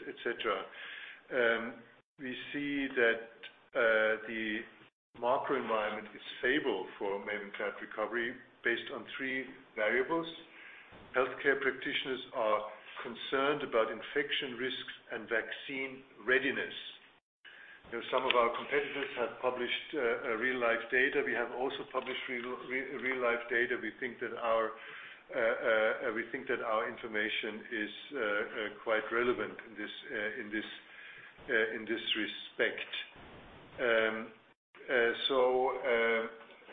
et cetera. We see that the macro environment is favorable for MAVENCLAD recovery based on three variables. Healthcare practitioners are concerned about infection risks and vaccine readiness. Some of our competitors have published real-life data. We have also published real-life data. We think that our information is quite relevant in this respect.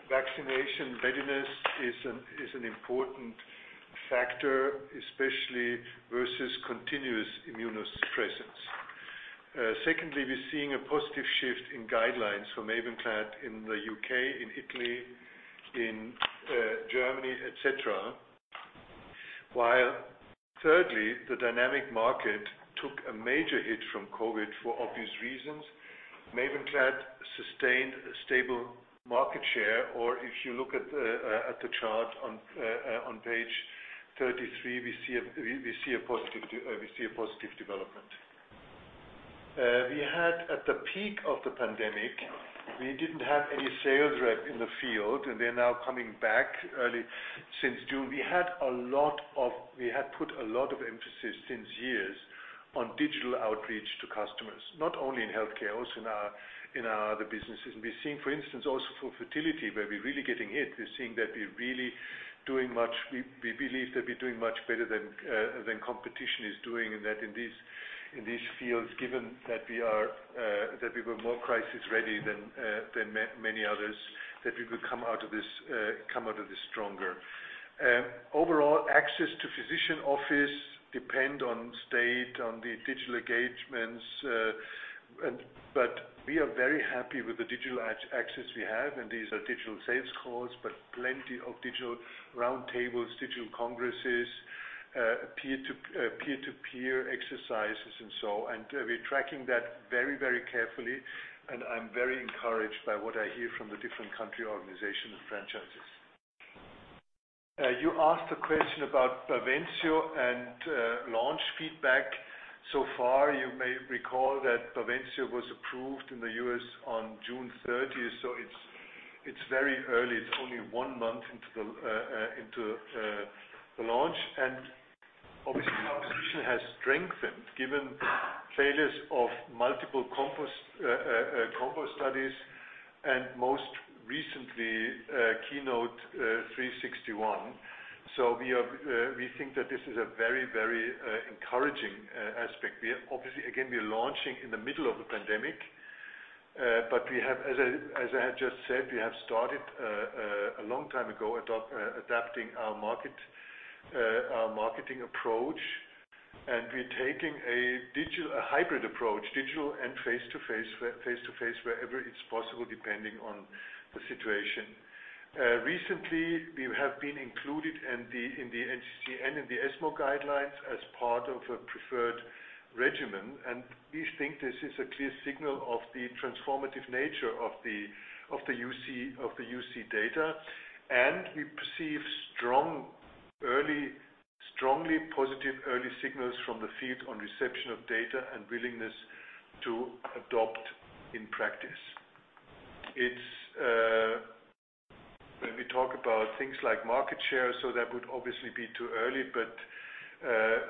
Vaccination readiness is an important factor, especially versus continuous immunosuppressants. Secondly, we're seeing a positive shift in guidelines for MAVENCLAD in the U.K., in Italy, in Germany, et cetera. Thirdly, the dynamic market took a major hit from COVID for obvious reasons. MAVENCLAD sustained a stable market share, or if you look at the chart on page 33, we see a positive development. We had at the peak of the pandemic, we didn't have any sales rep in the field, they're now coming back early since June. We had put a lot of emphasis since years on digital outreach to customers, not only in healthcare, also in our other businesses. We're seeing, for instance, also for fertility, where we're really getting hit. We believe that we're doing much better than competition is doing in these fields, given that we were more crisis-ready than many others, that we could come out of this stronger. Overall, access to physician office depend on state, on the digital engagements. We are very happy with the digital access we have, and these are digital sales calls, but plenty of digital roundtables, digital congresses, peer-to-peer exercises and so on. We're tracking that very carefully, and I'm very encouraged by what I hear from the different country organization and franchises. You asked a question about BAVENCIO and launch feedback. Far, you may recall that BAVENCIO was approved in the U.S. on June 30th, so it's very early. It's only one month into the launch. Obviously our position has strengthened given failures of multiple combo studies and most recently KEYNOTE-361. We think that this is a very encouraging aspect. Obviously, again, we are launching in the middle of a pandemic. We have, as I had just said, we have started a long time ago adapting our marketing approach, and we're taking a digital, a hybrid approach, digital and face-to-face wherever it's possible, depending on the situation. Recently, we have been included in the NCCN and the ESMO guidelines as part of a preferred regimen, and we think this is a clear signal of the transformative nature of the UC data. We perceive strongly positive early signals from the field on reception of data and willingness to adopt in practice. We talk about things like market share, so that would obviously be too early, but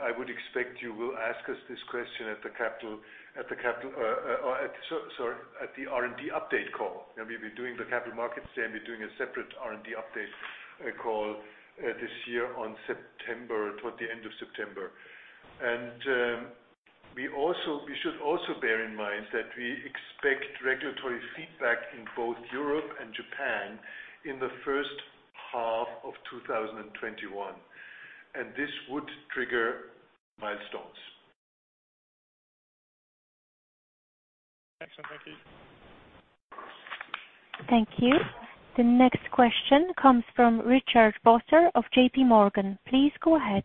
I would expect you will ask us this question at the R&D update call. We'll be doing the capital markets, then we're doing a separate R&D update call this year towards the end of September. We should also bear in mind that we expect regulatory feedback in both Europe and Japan in the first half of 2021, and this would trigger milestones. Excellent. Thank you. Thank you. The next question comes from Richard Vosser of JPMorgan. Please go ahead.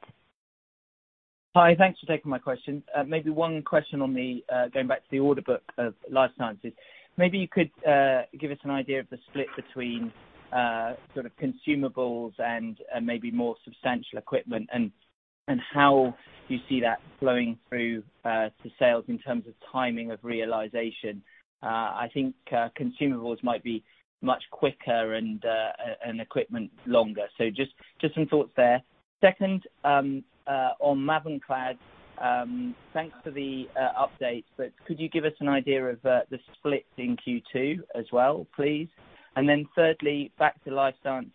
Hi. Thanks for taking my question. One question on the, going back to the order book of Life Science. You could give us an idea of the split between sort of consumables and more substantial equipment, and how you see that flowing through to sales in terms of timing of realization. I think consumables might be much quicker and equipment longer. Just some thoughts there. Second, on MAVENCLAD, thanks for the update, but could you give us an idea of the split in Q2 as well, please? Thirdly, back to Life Science,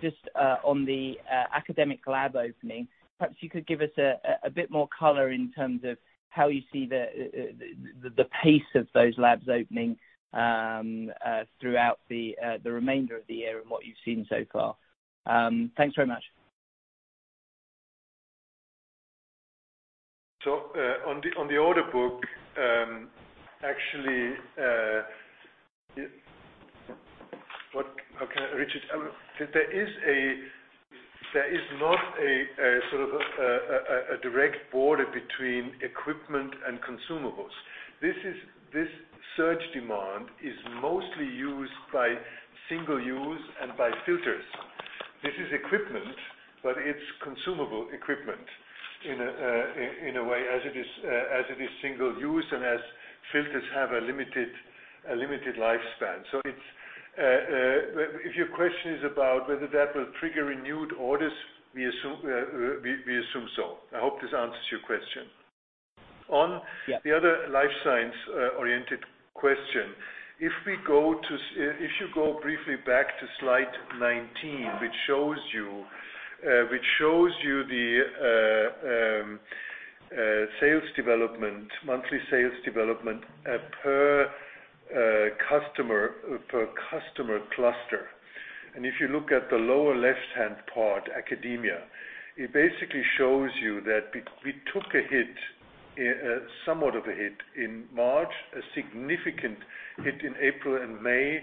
just on the academic lab opening, perhaps you could give us a bit more color in terms of how you see the pace of those labs opening throughout the remainder of the year and what you've seen so far. Thanks very much. On the order book, actually, Richard, there is not a direct border between equipment and consumables. This surge demand is mostly used by single use and by filters. This is equipment, but it's consumable equipment in a way, as it is single use and as filters have a limited lifespan. If your question is about whether that will trigger renewed orders, we assume so. I hope this answers your question. Yeah. On the other Life Science-oriented question, if you go briefly back to slide 19, which shows you the monthly sales development per customer cluster. If you look at the lower left-hand part, academia, it basically shows you that we took somewhat of a hit in March, a significant hit in April and May,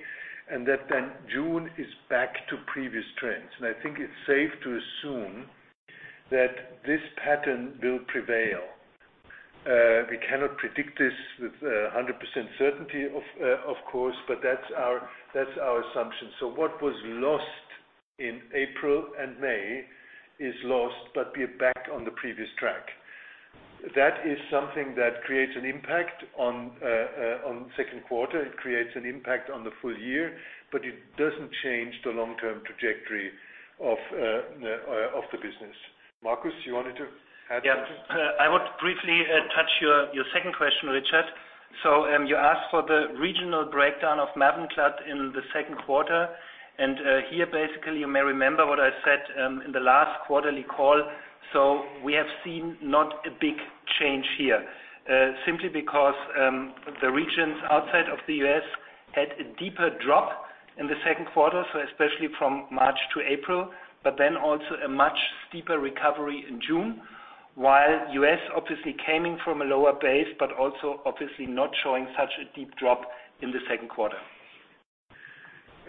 and that then June is back to previous trends. I think it's safe to assume that this pattern will prevail. We cannot predict this with 100% certainty, of course, but that's our assumption. What was lost in April and May is lost, but we're back on the previous track. That is something that creates an impact on second quarter, it creates an impact on the full year, but it doesn't change the long-term trajectory of the business. Marcus, you wanted to add something? Yeah. I would briefly touch your second question, Richard. You asked for the regional breakdown of MAVENCLAD in the second quarter, you may remember what I said in the last quarterly call. We have seen not a big change here. Simply because the regions outside of the U.S. had a deeper drop in the second quarter, so especially from March to April, also a much steeper recovery in June, while U.S. came in from a lower base, not showing such a deep drop in the second quarter.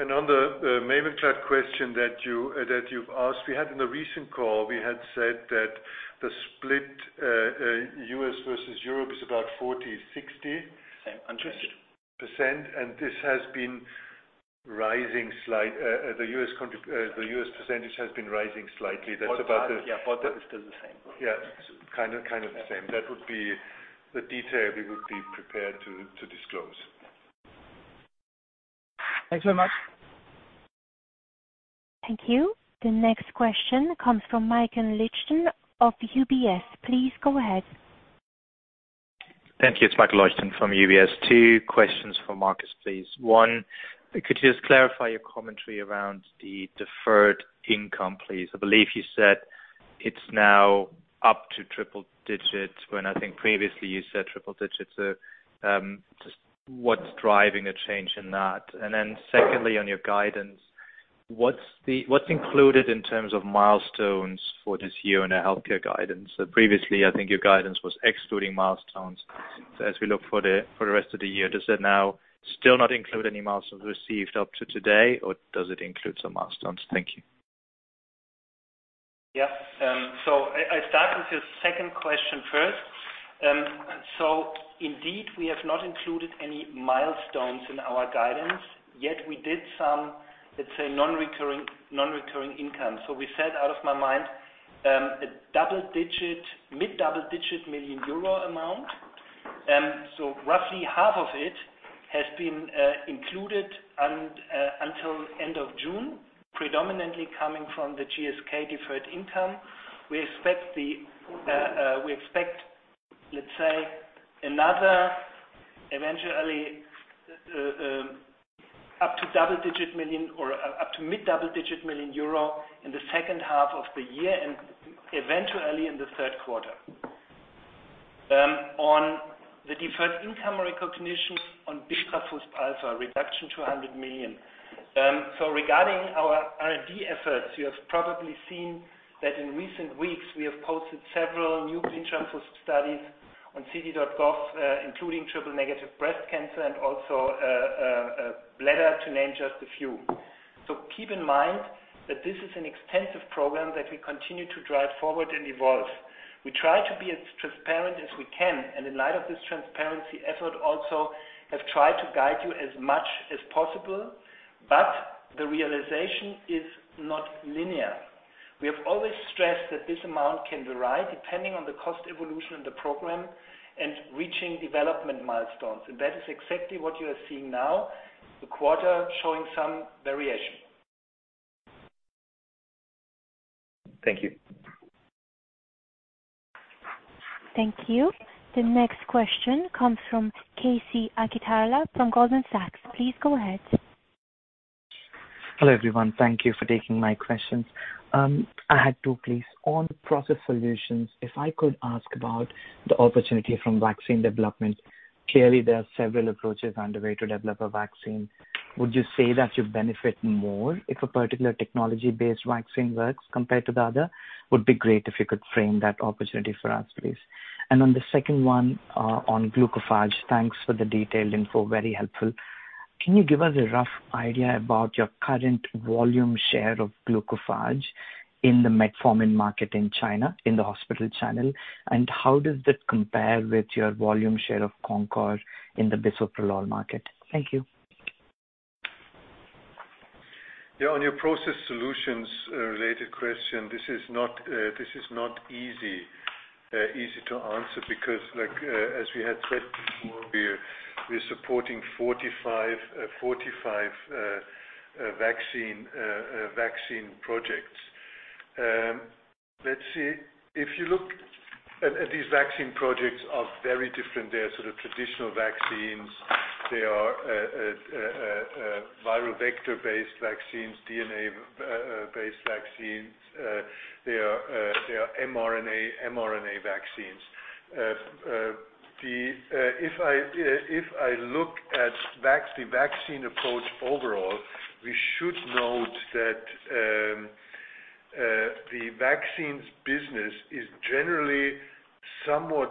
On the MAVENCLAD question that you've asked, we had in the recent call, we had said that the split, U.S. versus Europe is about 40%, 60%, and the U.S. percentage has been rising slightly. Yeah, both are still the same. Yeah. Kind of the same. That would be the detail we would be prepared to disclose. Thanks very much. Thank you. The next question comes from Michael Leuchten of UBS. Please go ahead. Thank you. It's Michael Leuchten from UBS. Two questions for Marcus, please. One, could you just clarify your commentary around the deferred income, please? I believe you said it's now up to triple digits when I think previously you said triple digits. Just what's driving a change in that? Secondly, on your guidance, what's included in terms of milestones for this year in the healthcare guidance? Previously, I think your guidance was excluding milestones. As we look for the rest of the year, does that now still not include any milestones received up to today, or does it include some milestones? Thank you. I start with your second question first. Indeed, we have not included any milestones in our guidance yet we did some, let's say, non-recurring income. Out of my mind, a mid-double-digit million euro amount. Roughly half of it has been included until end of June, predominantly coming from the GSK deferred income. We expect, let's say, another eventually up to mid double-digit million euro in the second half of the year and eventually in the third quarter. On the deferred income recognition on bisoprolol a reduction to 100 million. Regarding our R&D efforts, you have probably seen that in recent weeks, we have posted several new bisoprolol studies on ClinicalTrials.gov including triple negative breast cancer and also bladder, to name just a few. Keep in mind that this is an extensive program that we continue to drive forward and evolve. We try to be as transparent as we can, and in light of this transparency effort, also have tried to guide you as much as possible, but the realization is not linear. We have always stressed that this amount can vary depending on the cost evolution of the program and reaching development milestones. That is exactly what you are seeing now, the quarter showing some variation. Thank you. Thank you. The next question comes from KC Akitala from Goldman Sachs. Please go ahead. Hello, everyone. Thank you for taking my questions. I had two, please. On process solutions, if I could ask about the opportunity from vaccine development. Clearly, there are several approaches underway to develop a vaccine. Would you say that you benefit more if a particular technology-based vaccine works compared to the other? Would be great if you could frame that opportunity for us, please. On the second one on Glucophage, thanks for the detailed info. Very helpful. Can you give us a rough idea about your current volume share of Glucophage in the metformin market in China, in the hospital channel? How does that compare with your volume share of Concor in the bisoprolol market? Thank you. On your process solutions-related question, this is not easy to answer because as we had said before, we're supporting 45 vaccine projects. Let's see. These vaccine projects are very different. They are sort of traditional vaccines. They are viral vector-based vaccines, DNA-based vaccines. They are mRNA vaccines. If I look at the vaccine approach overall, we should note that the vaccines business is generally somewhat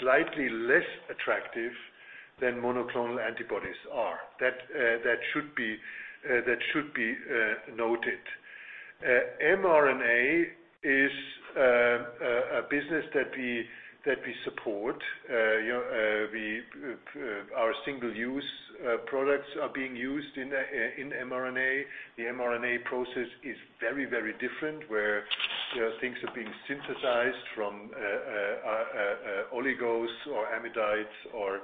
slightly less attractive than monoclonal antibodies are. That should be noted. mRNA is a business that we support. Our single-use products are being used in mRNA. The mRNA process is very, very different, where things are being synthesized from oligos or amidites or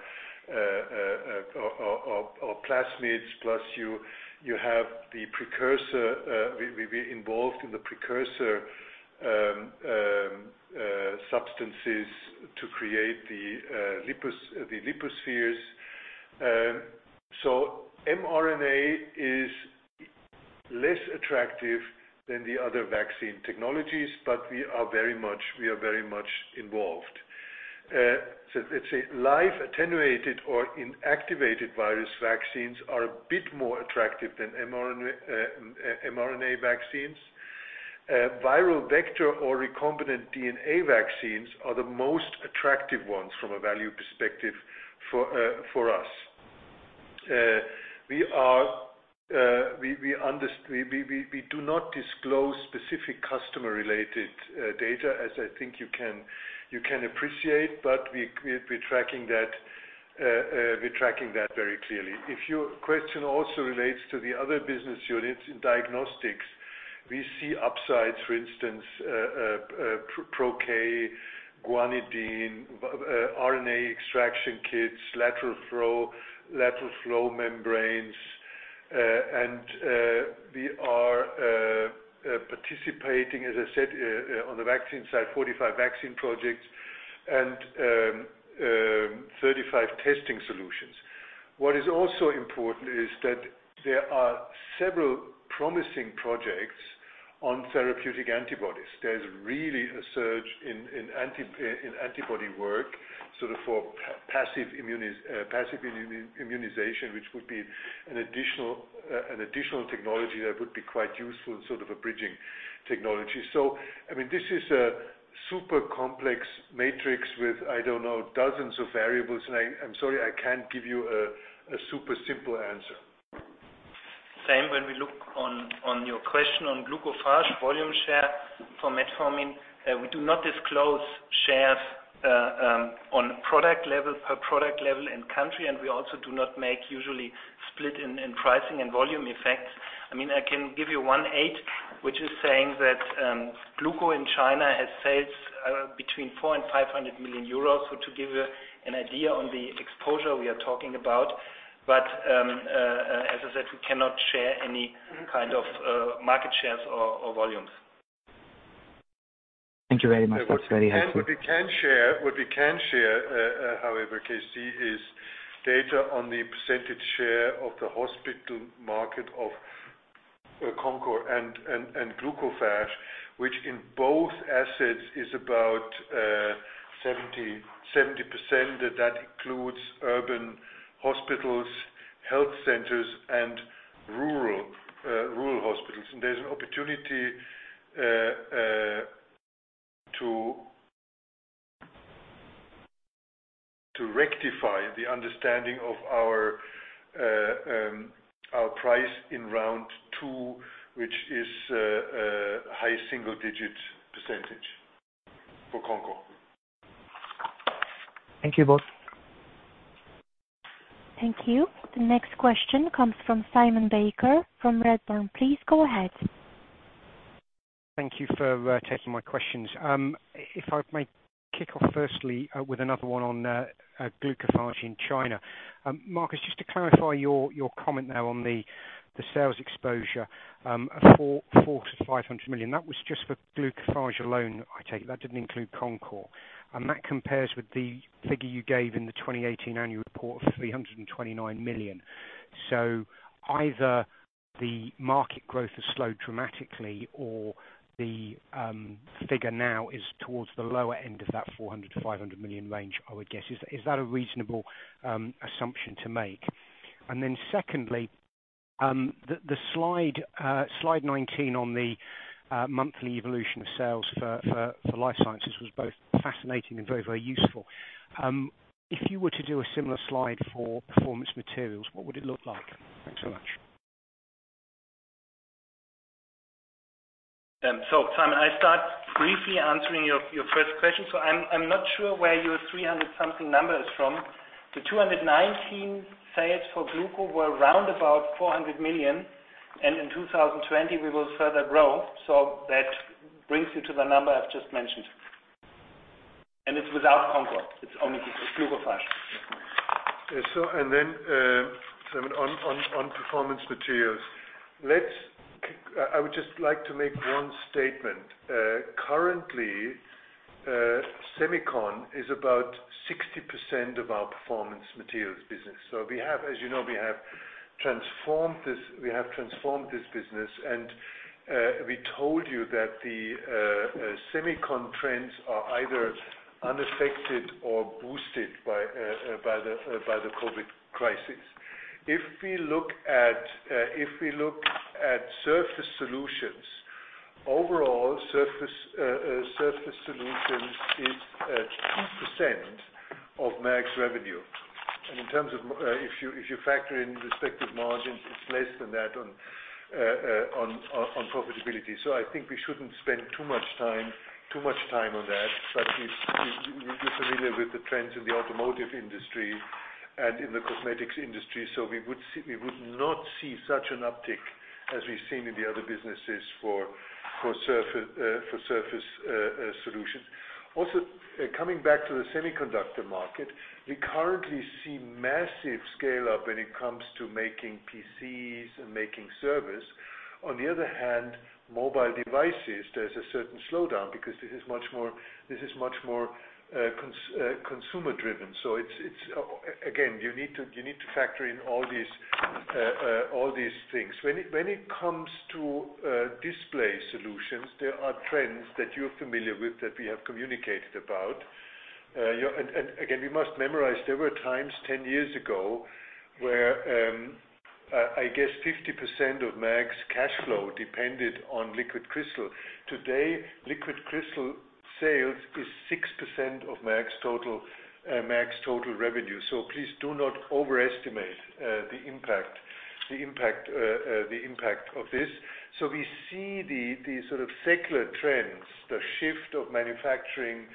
plasmids. We're involved in the precursor substances to create the lipospheres. mRNA is less attractive than the other vaccine technologies, but we are very much involved. Let's say live attenuated or inactivated virus vaccines are a bit more attractive than mRNA vaccines. Viral vector or recombinant DNA vaccines are the most attractive ones from a value perspective for us. We do not disclose specific customer-related data, as I think you can appreciate, but we're tracking that very clearly. If your question also relates to the other business units in diagnostics, we see upsides, for instance, Pro-K, guanidine, RNA extraction kits, lateral flow membranes. We are participating, as I said, on the vaccine side, 45 vaccine projects and 35 testing solutions. What is also important is that there are several promising projects on therapeutic antibodies. There's really a surge in antibody work, sort of for passive immunization, which would be an additional technology that would be quite useful and sort of a bridging technology. This is a super complex matrix with, I don't know, dozens of variables, and I'm sorry, I can't give you a super simple answer. Same when we look on your question on Glucophage volume share for metformin. We do not disclose shares on per product level and country. We also do not make usually split in pricing and volume effects. I can give you one aid, which is saying that Gluco in China has sales between four and 500 million euros. To give you an idea on the exposure we are talking about. As I said, we cannot share any kind of market shares or volumes. Thank you very much. That's very helpful. What we can share, however, KC, is data on the percentage share of the hospital market of Concor and Glucophage, which in both assets is about 70%. That includes urban hospitals, health centers, and rural hospitals. There's an opportunity to rectify the understanding of our price in round two, which is a high single-digit percentage for Concor. Thank you both. Thank you. The next question comes from Simon Baker from Redburn. Please go ahead. Thank you for taking my questions. If I may kick off firstly with another one on Glucophage in China. Marcus, just to clarify your comment there on the sales exposure of 400 million-500 million. That was just for Glucophage alone, I take it. That didn't include Concor. That compares with the figure you gave in the 2018 annual report of 329 million. Either the market growth has slowed dramatically or the figure now is towards the lower end of that 400 million-500 million range, I would guess. Is that a reasonable assumption to make? Then secondly, the slide 19 on the monthly evolution of sales for Life Science was both fascinating and very useful. If you were to do a similar slide for Performance Materials, what would it look like? Thanks so much. Simon, I start briefly answering your first question. I'm not sure where your 300-something number is from. The 2019 sales for Glucophage were around 400 million, and in 2020, we will further grow. That brings you to the number I've just mentioned. It's without Concor, it's only Glucophage. Simon, on Performance Materials. I would just like to make one statement. Currently, semicon is about 60% of our Performance Materials business. As you know, we have transformed this business, and we told you that the semicon trends are either unaffected or boosted by the COVID crisis. If we look at Surface Solutions, overall Surface Solutions is 2% of Merck's revenue. If you factor in respective margins, it's less than that on profitability. I think we shouldn't spend too much time on that. You're familiar with the trends in the automotive industry and in the cosmetics industry. We would not see such an uptick as we've seen in the other businesses for Surface Solutions. Also, coming back to the semiconductor market, we currently see massive scale-up when it comes to making PCs and making servers. On the other hand, mobile devices, there's a certain slowdown because this is much more consumer-driven. Again, you need to factor in all these things. When it comes to display solutions, there are trends that you're familiar with that we have communicated about. Again, we must memorize there were x10 years ago where I guess 50% of Merck's cash flow depended on liquid crystal. Today, liquid crystal sales is 6% of Merck's total revenue. Please do not overestimate the impact of this. We see the sort of secular trends, the shift of manufacturing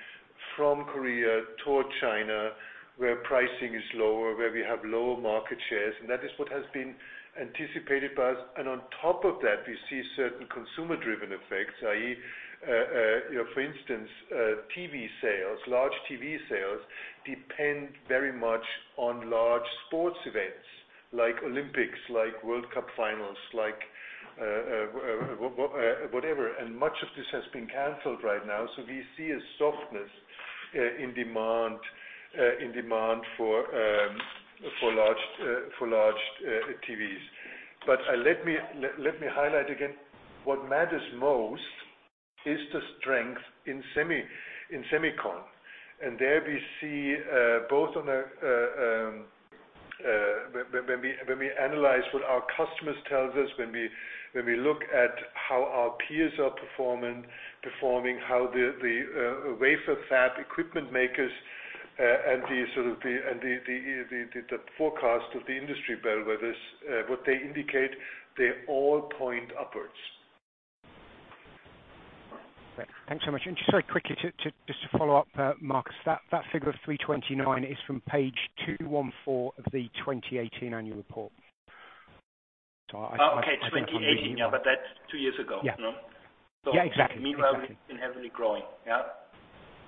from Korea toward China, where pricing is lower, where we have lower market shares, and that is what has been anticipated by us. On top of that, we see certain consumer-driven effects, i.e., for instance TV sales, large TV sales depend very much on large sports events like Olympics, like World Cup finals, like whatever, and much of this has been canceled right now. We see a softness in demand for large TVs. Let me highlight again, what matters most is the strength in semicon. There we see both when we analyze what our customers tell us, when we look at how our peers are performing, how the wafer fab equipment makers, and the forecast of the industry bellwethers what they indicate, they all point upwards. Thanks so much. Just very quickly to follow up, Marcus, that figure of 329 is from page 214 of the 2018 annual report. Okay. 2018. Yeah, that's two years ago. Meanwhile, we've been heavily growing, yeah?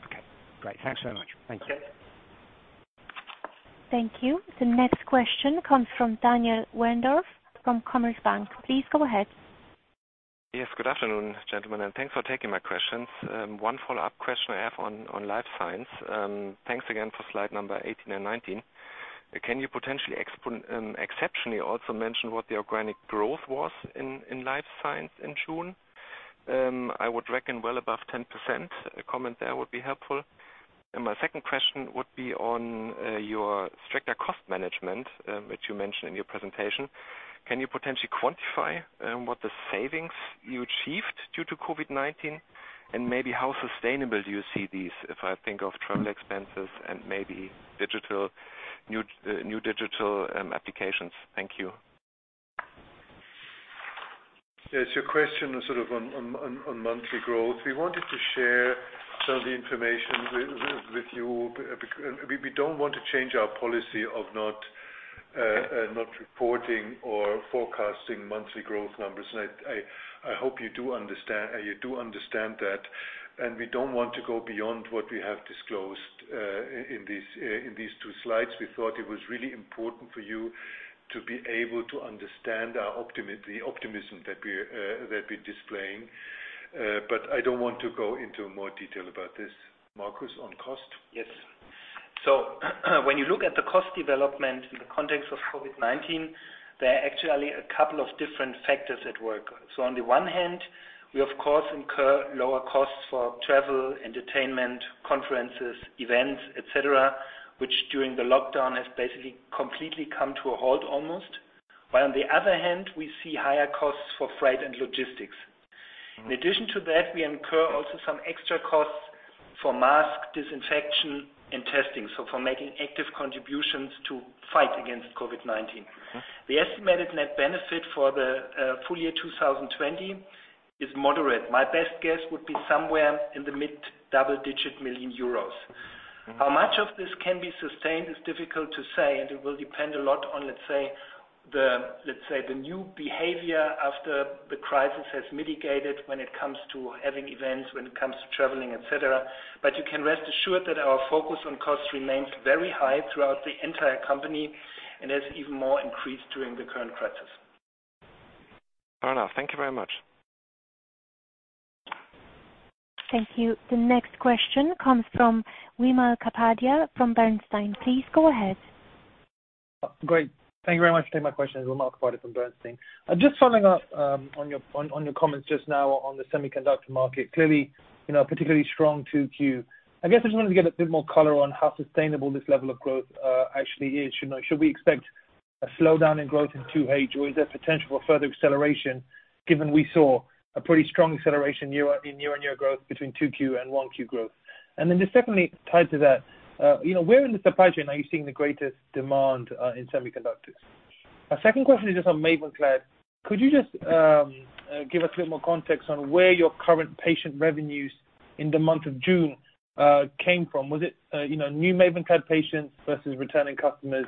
Okay, great. Thanks so much. Thank you. Thank you. The next question comes from Daniel Wendorff from Commerzbank. Please go ahead. Yes, good afternoon, gentlemen, and thanks for taking my questions. One follow-up question I have on Life Science. Thanks again for slide number 18 and 19. Can you potentially exceptionally also mention what the organic growth was in Life Science in June? I would reckon well above 10%. A comment there would be helpful. My second question would be on your stricter cost management, which you mentioned in your presentation. Can you potentially quantify what the savings you achieved due to COVID-19? Maybe how sustainable do you see these, if I think of travel expenses and maybe new digital applications? Thank you. Yes, your question is sort of on monthly growth. We wanted to share some of the information with you. We don't want to change our policy of not reporting or forecasting monthly growth numbers. I hope you do understand that. We don't want to go beyond what we have disclosed in these two slides. We thought it was really important for you to be able to understand the optimism that we're displaying. I don't want to go into more detail about this. Marcus, on cost? Yes. When you look at the cost development in the context of COVID-19, there are actually a couple of different factors at work. On the one hand, we of course incur lower costs for travel, entertainment, conferences, events, et cetera, which during the lockdown has basically completely come to a halt almost. While on the other hand, we see higher costs for freight and logistics. In addition to that, we incur also some extra costs for mask disinfection and testing, so for making active contributions to fight against COVID-19. The estimated net benefit for the full year 2020 is moderate. My best guess would be somewhere in the EUR mid double-digit million. How much of this can be sustained is difficult to say, and it will depend a lot on, let's say, the new behavior after the crisis has mitigated when it comes to having events, when it comes to traveling, et cetera. You can rest assured that our focus on costs remains very high throughout the entire company and has even more increased during the current crisis. Fair enough. Thank you very much. Thank you. The next question comes from Wimal Kapadia from Bernstein. Please go ahead. Great. Thank you very much for taking my question. Wimal Kapadia from Bernstein. Just following up on your comments just now on the semiconductor market, clearly, particularly strong 2Q. I guess I just wanted to get a bit more color on how sustainable this level of growth actually is. Should we expect a slowdown in growth in 2H or is there potential for further acceleration given we saw a pretty strong acceleration in year-on-year growth between 2Q and 1Q growth? Just secondly, tied to that, where in the supply chain are you seeing the greatest demand in semiconductors? My second question is just on MAVENCLAD. Could you just give us a bit more context on where your current patient revenues in the month of June came from? Was it new MAVENCLAD patients versus returning customers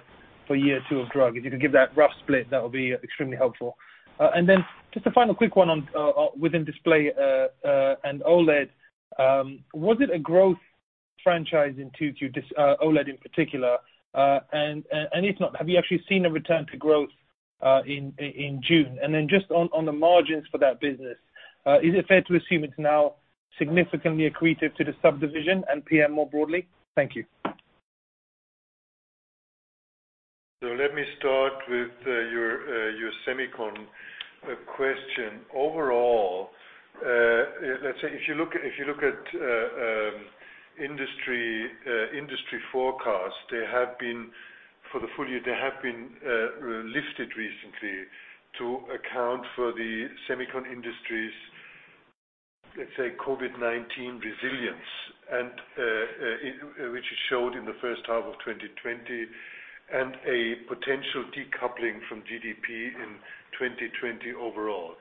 for year two of drug? If you could give that rough split, that would be extremely helpful. Just a final quick one within display and OLED. Was it a growth franchise in 2Q, OLED in particular? If not, have you actually seen a return to growth in June? Just on the margins for that business, is it fair to assume it's now significantly accretive to the subdivision and PM more broadly? Thank you. Let me start with your semicon question. Overall, let's say if you look at industry forecasts, they have been, for the full year, they have been lifted recently to account for the semicon industry's, let's say, COVID-19 resilience. Which it showed in the first half of 2020, and a potential decoupling from GDP in 2020 overall.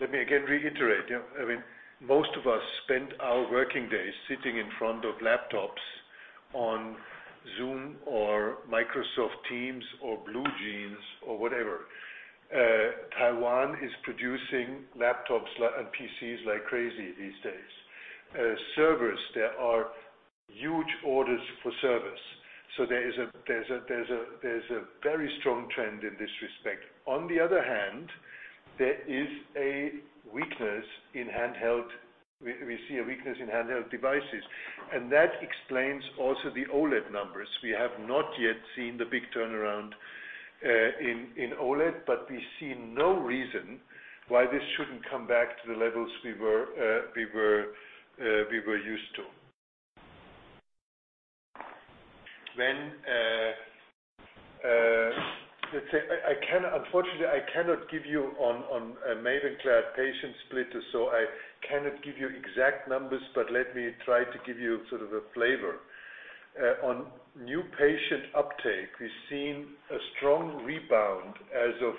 Let me again reiterate. I mean, most of us spend our working days sitting in front of laptops on Zoom or Microsoft Teams or BlueJeans or whatever. Taiwan is producing laptops and PCs like crazy these days. Servers, there are huge orders for servers. There's a very strong trend in this respect. On the other hand, there is a weakness in handheld. We see a weakness in handheld devices, and that explains also the OLED numbers. We have not yet seen the big turnaround in OLED. We see no reason why this shouldn't come back to the levels we were used to. Let's say, unfortunately, I cannot give you on a MAVENCLAD patient split. I cannot give you exact numbers. Let me try to give you sort of a flavor. On new patient uptake, we've seen a strong rebound as of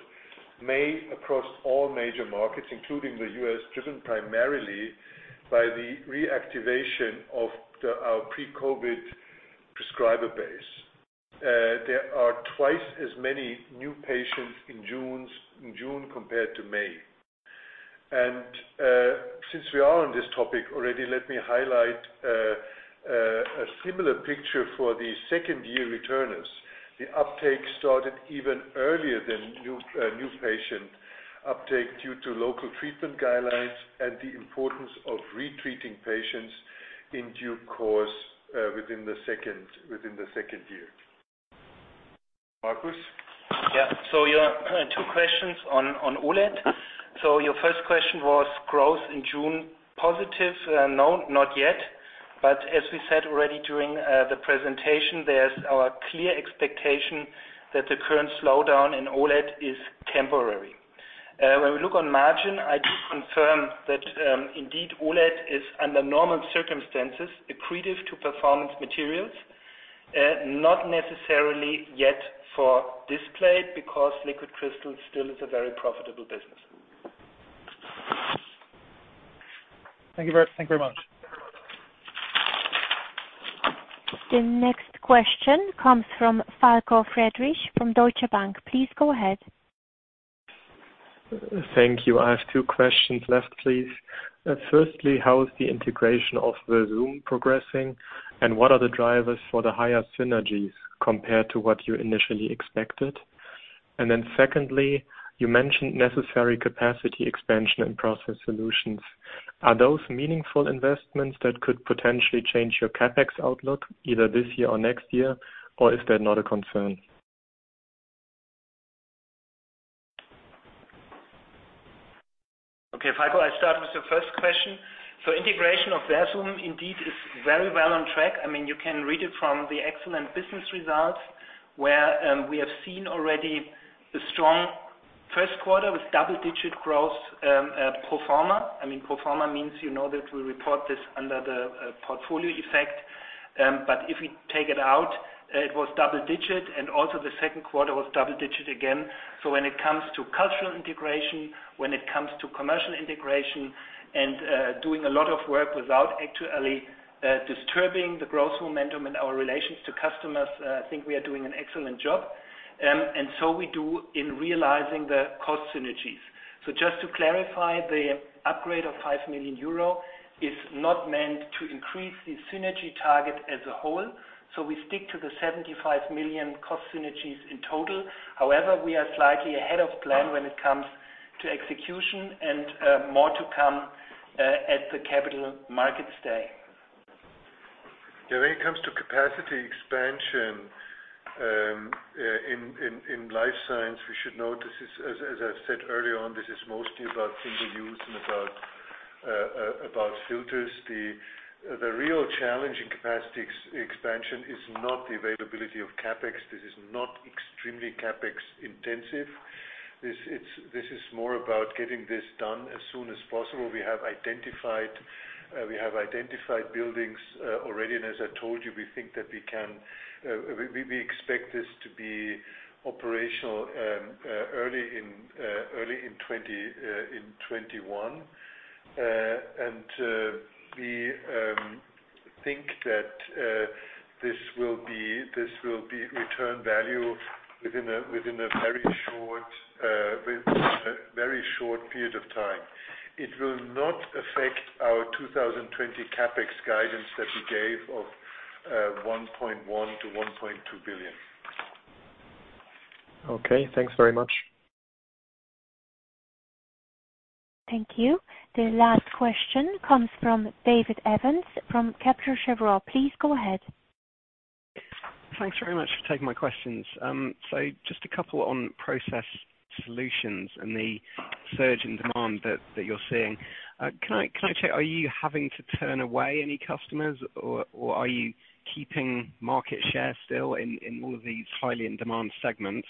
May across all major markets, including the U.S., driven primarily by the reactivation of our pre-COVID prescriber base. There are twice as many new patients in June compared to May. Since we are on this topic already, let me highlight a similar picture for the second-year returners. The uptake started even earlier than new patient uptake due to local treatment guidelines and the importance of retreating patients in due course, within the second year. Marcus? Yeah. Your two questions on OLED. Your first question was growth in June. Positive? No, not yet. As we said already during the presentation, there's our clear expectation that the current slowdown in OLED is temporary. When we look on margin, I do confirm that indeed OLED is, under normal circumstances, accretive to Performance Materials. Not necessarily yet for Display, because liquid crystal still is a very profitable business. Thank you very much. The next question comes from Falko Friedrich from Deutsche Bank. Please go ahead. Thank you. I have two questions left, please. Firstly, how is the integration of Versum progressing, what are the drivers for the higher synergies compared to what you initially expected? Secondly, you mentioned necessary capacity expansion in Process Solutions. Are those meaningful investments that could potentially change your CapEx outlook either this year or next year, or is that not a concern? Okay, Falko, I'll start with your first question. Integration of Versum indeed is very well on track. You can read it from the excellent business results, where we have seen already a strong first quarter with double-digit growth, pro forma. Pro forma means that we report this under the portfolio effect. If we take it out, it was double-digit, and also the second quarter was double-digit again. When it comes to cultural integration, when it comes to commercial integration and doing a lot of work without actually disturbing the growth momentum in our relations to customers, I think we are doing an excellent job. We do in realizing the cost synergies. Just to clarify, the upgrade of 5 million euro is not meant to increase the synergy target as a whole. We stick to the 75 million cost synergies in total. However, we are slightly ahead of plan when it comes to execution, and more to come at the Capital Markets Day. Yeah, when it comes to capacity expansion in Life Science, we should note, as I said earlier on, this is mostly about single-use and about filters. The real challenge in capacity expansion is not the availability of CapEx. This is not extremely CapEx intensive. This is more about getting this done as soon as possible. We have identified buildings already. As I told you, we expect this to be operational early in 2021. We think that this will return value within a very short period of time. It will not affect our 2020 CapEx guidance that we gave of 1.1 billion-1.2 billion. Okay, thanks very much. Thank you. The last question comes from David Evans from Kepler Cheuvreux. Please go ahead. Thanks very much for taking my questions. Just a couple on Process Solutions and the surge in demand that you're seeing. Can I check, are you having to turn away any customers, or are you keeping market share still in all of these highly in-demand segments?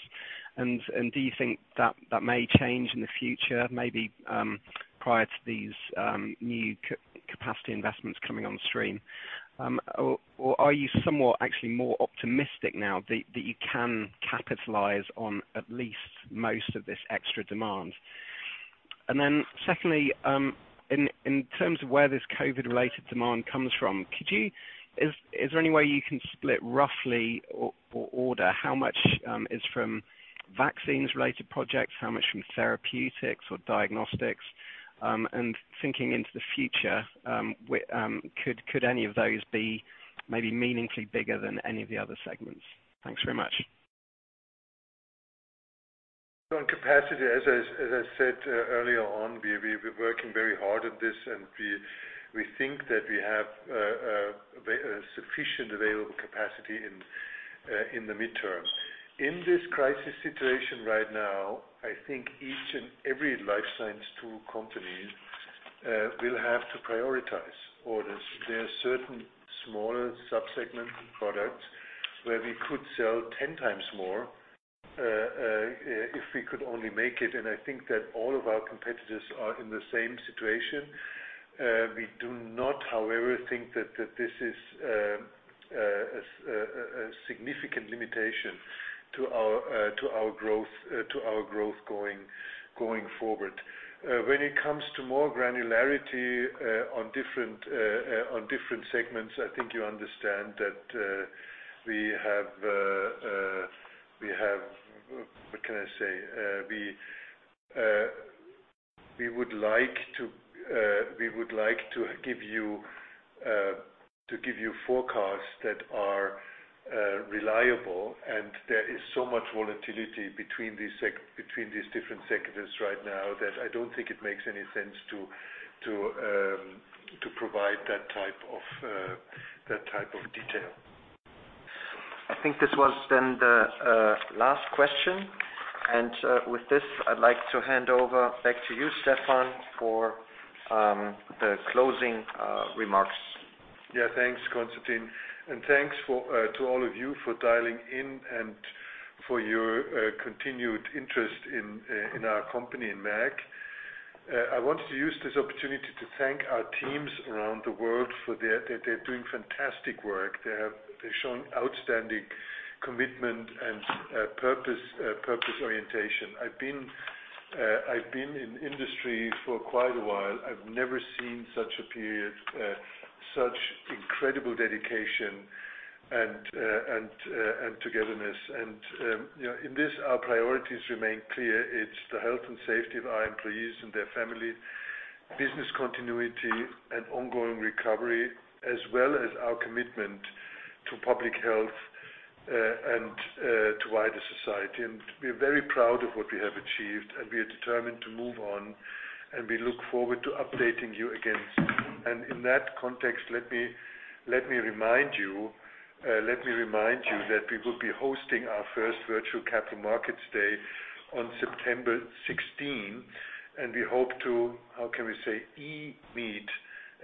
Do you think that may change in the future, maybe prior to these new capacity investments coming on stream? Are you somewhat actually more optimistic now that you can capitalize on at least most of this extra demand? Secondly, in terms of where this COVID-related demand comes from, is there any way you can split roughly or order how much is from vaccines-related projects, how much from therapeutics or diagnostics? Thinking into the future, could any of those be maybe meaningfully bigger than any of the other segments? Thanks very much. On capacity, as I said earlier on, we're working very hard at this, and we think that we have sufficient available capacity in the midterm. In this crisis situation right now, I think each and every Life Science tool company will have to prioritize orders. There are certain smaller sub-segment products where we could sell 10x more, if we could only make it. I think that all of our competitors are in the same situation. We do not, however, think that this is a significant limitation to our growth going forward. When it comes to more granularity on different segments, I think you understand that we have, what can I say? We would like to give you forecasts that are reliable, and there is so much volatility between these different sectors right now that I don't think it makes any sense to provide that type of detail. I think this was then the last question. With this, I'd like to hand over back to you, Stefan, for the closing remarks. Thanks, Constantin. Thanks to all of you for dialing in and for your continued interest in our company, in Merck. I wanted to use this opportunity to thank our teams around the world. They're doing fantastic work. They've shown outstanding commitment and purpose orientation. I've been in industry for quite a while. I've never seen such a period, such incredible dedication and togetherness. In this, our priorities remain clear. It's the health and safety of our employees and their family, business continuity, and ongoing recovery, as well as our commitment to public health and to wider society. We're very proud of what we have achieved, and we are determined to move on, and we look forward to updating you again soon. In that context, let me remind you that we will be hosting our first virtual Capital Markets Day on September 16, and we hope to, how can we say, e-meet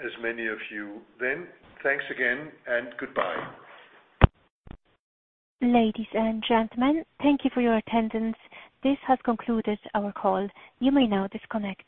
as many of you then. Thanks again, and goodbye. Ladies and gentlemen, thank you for your attendance. This has concluded our call. You may now disconnect.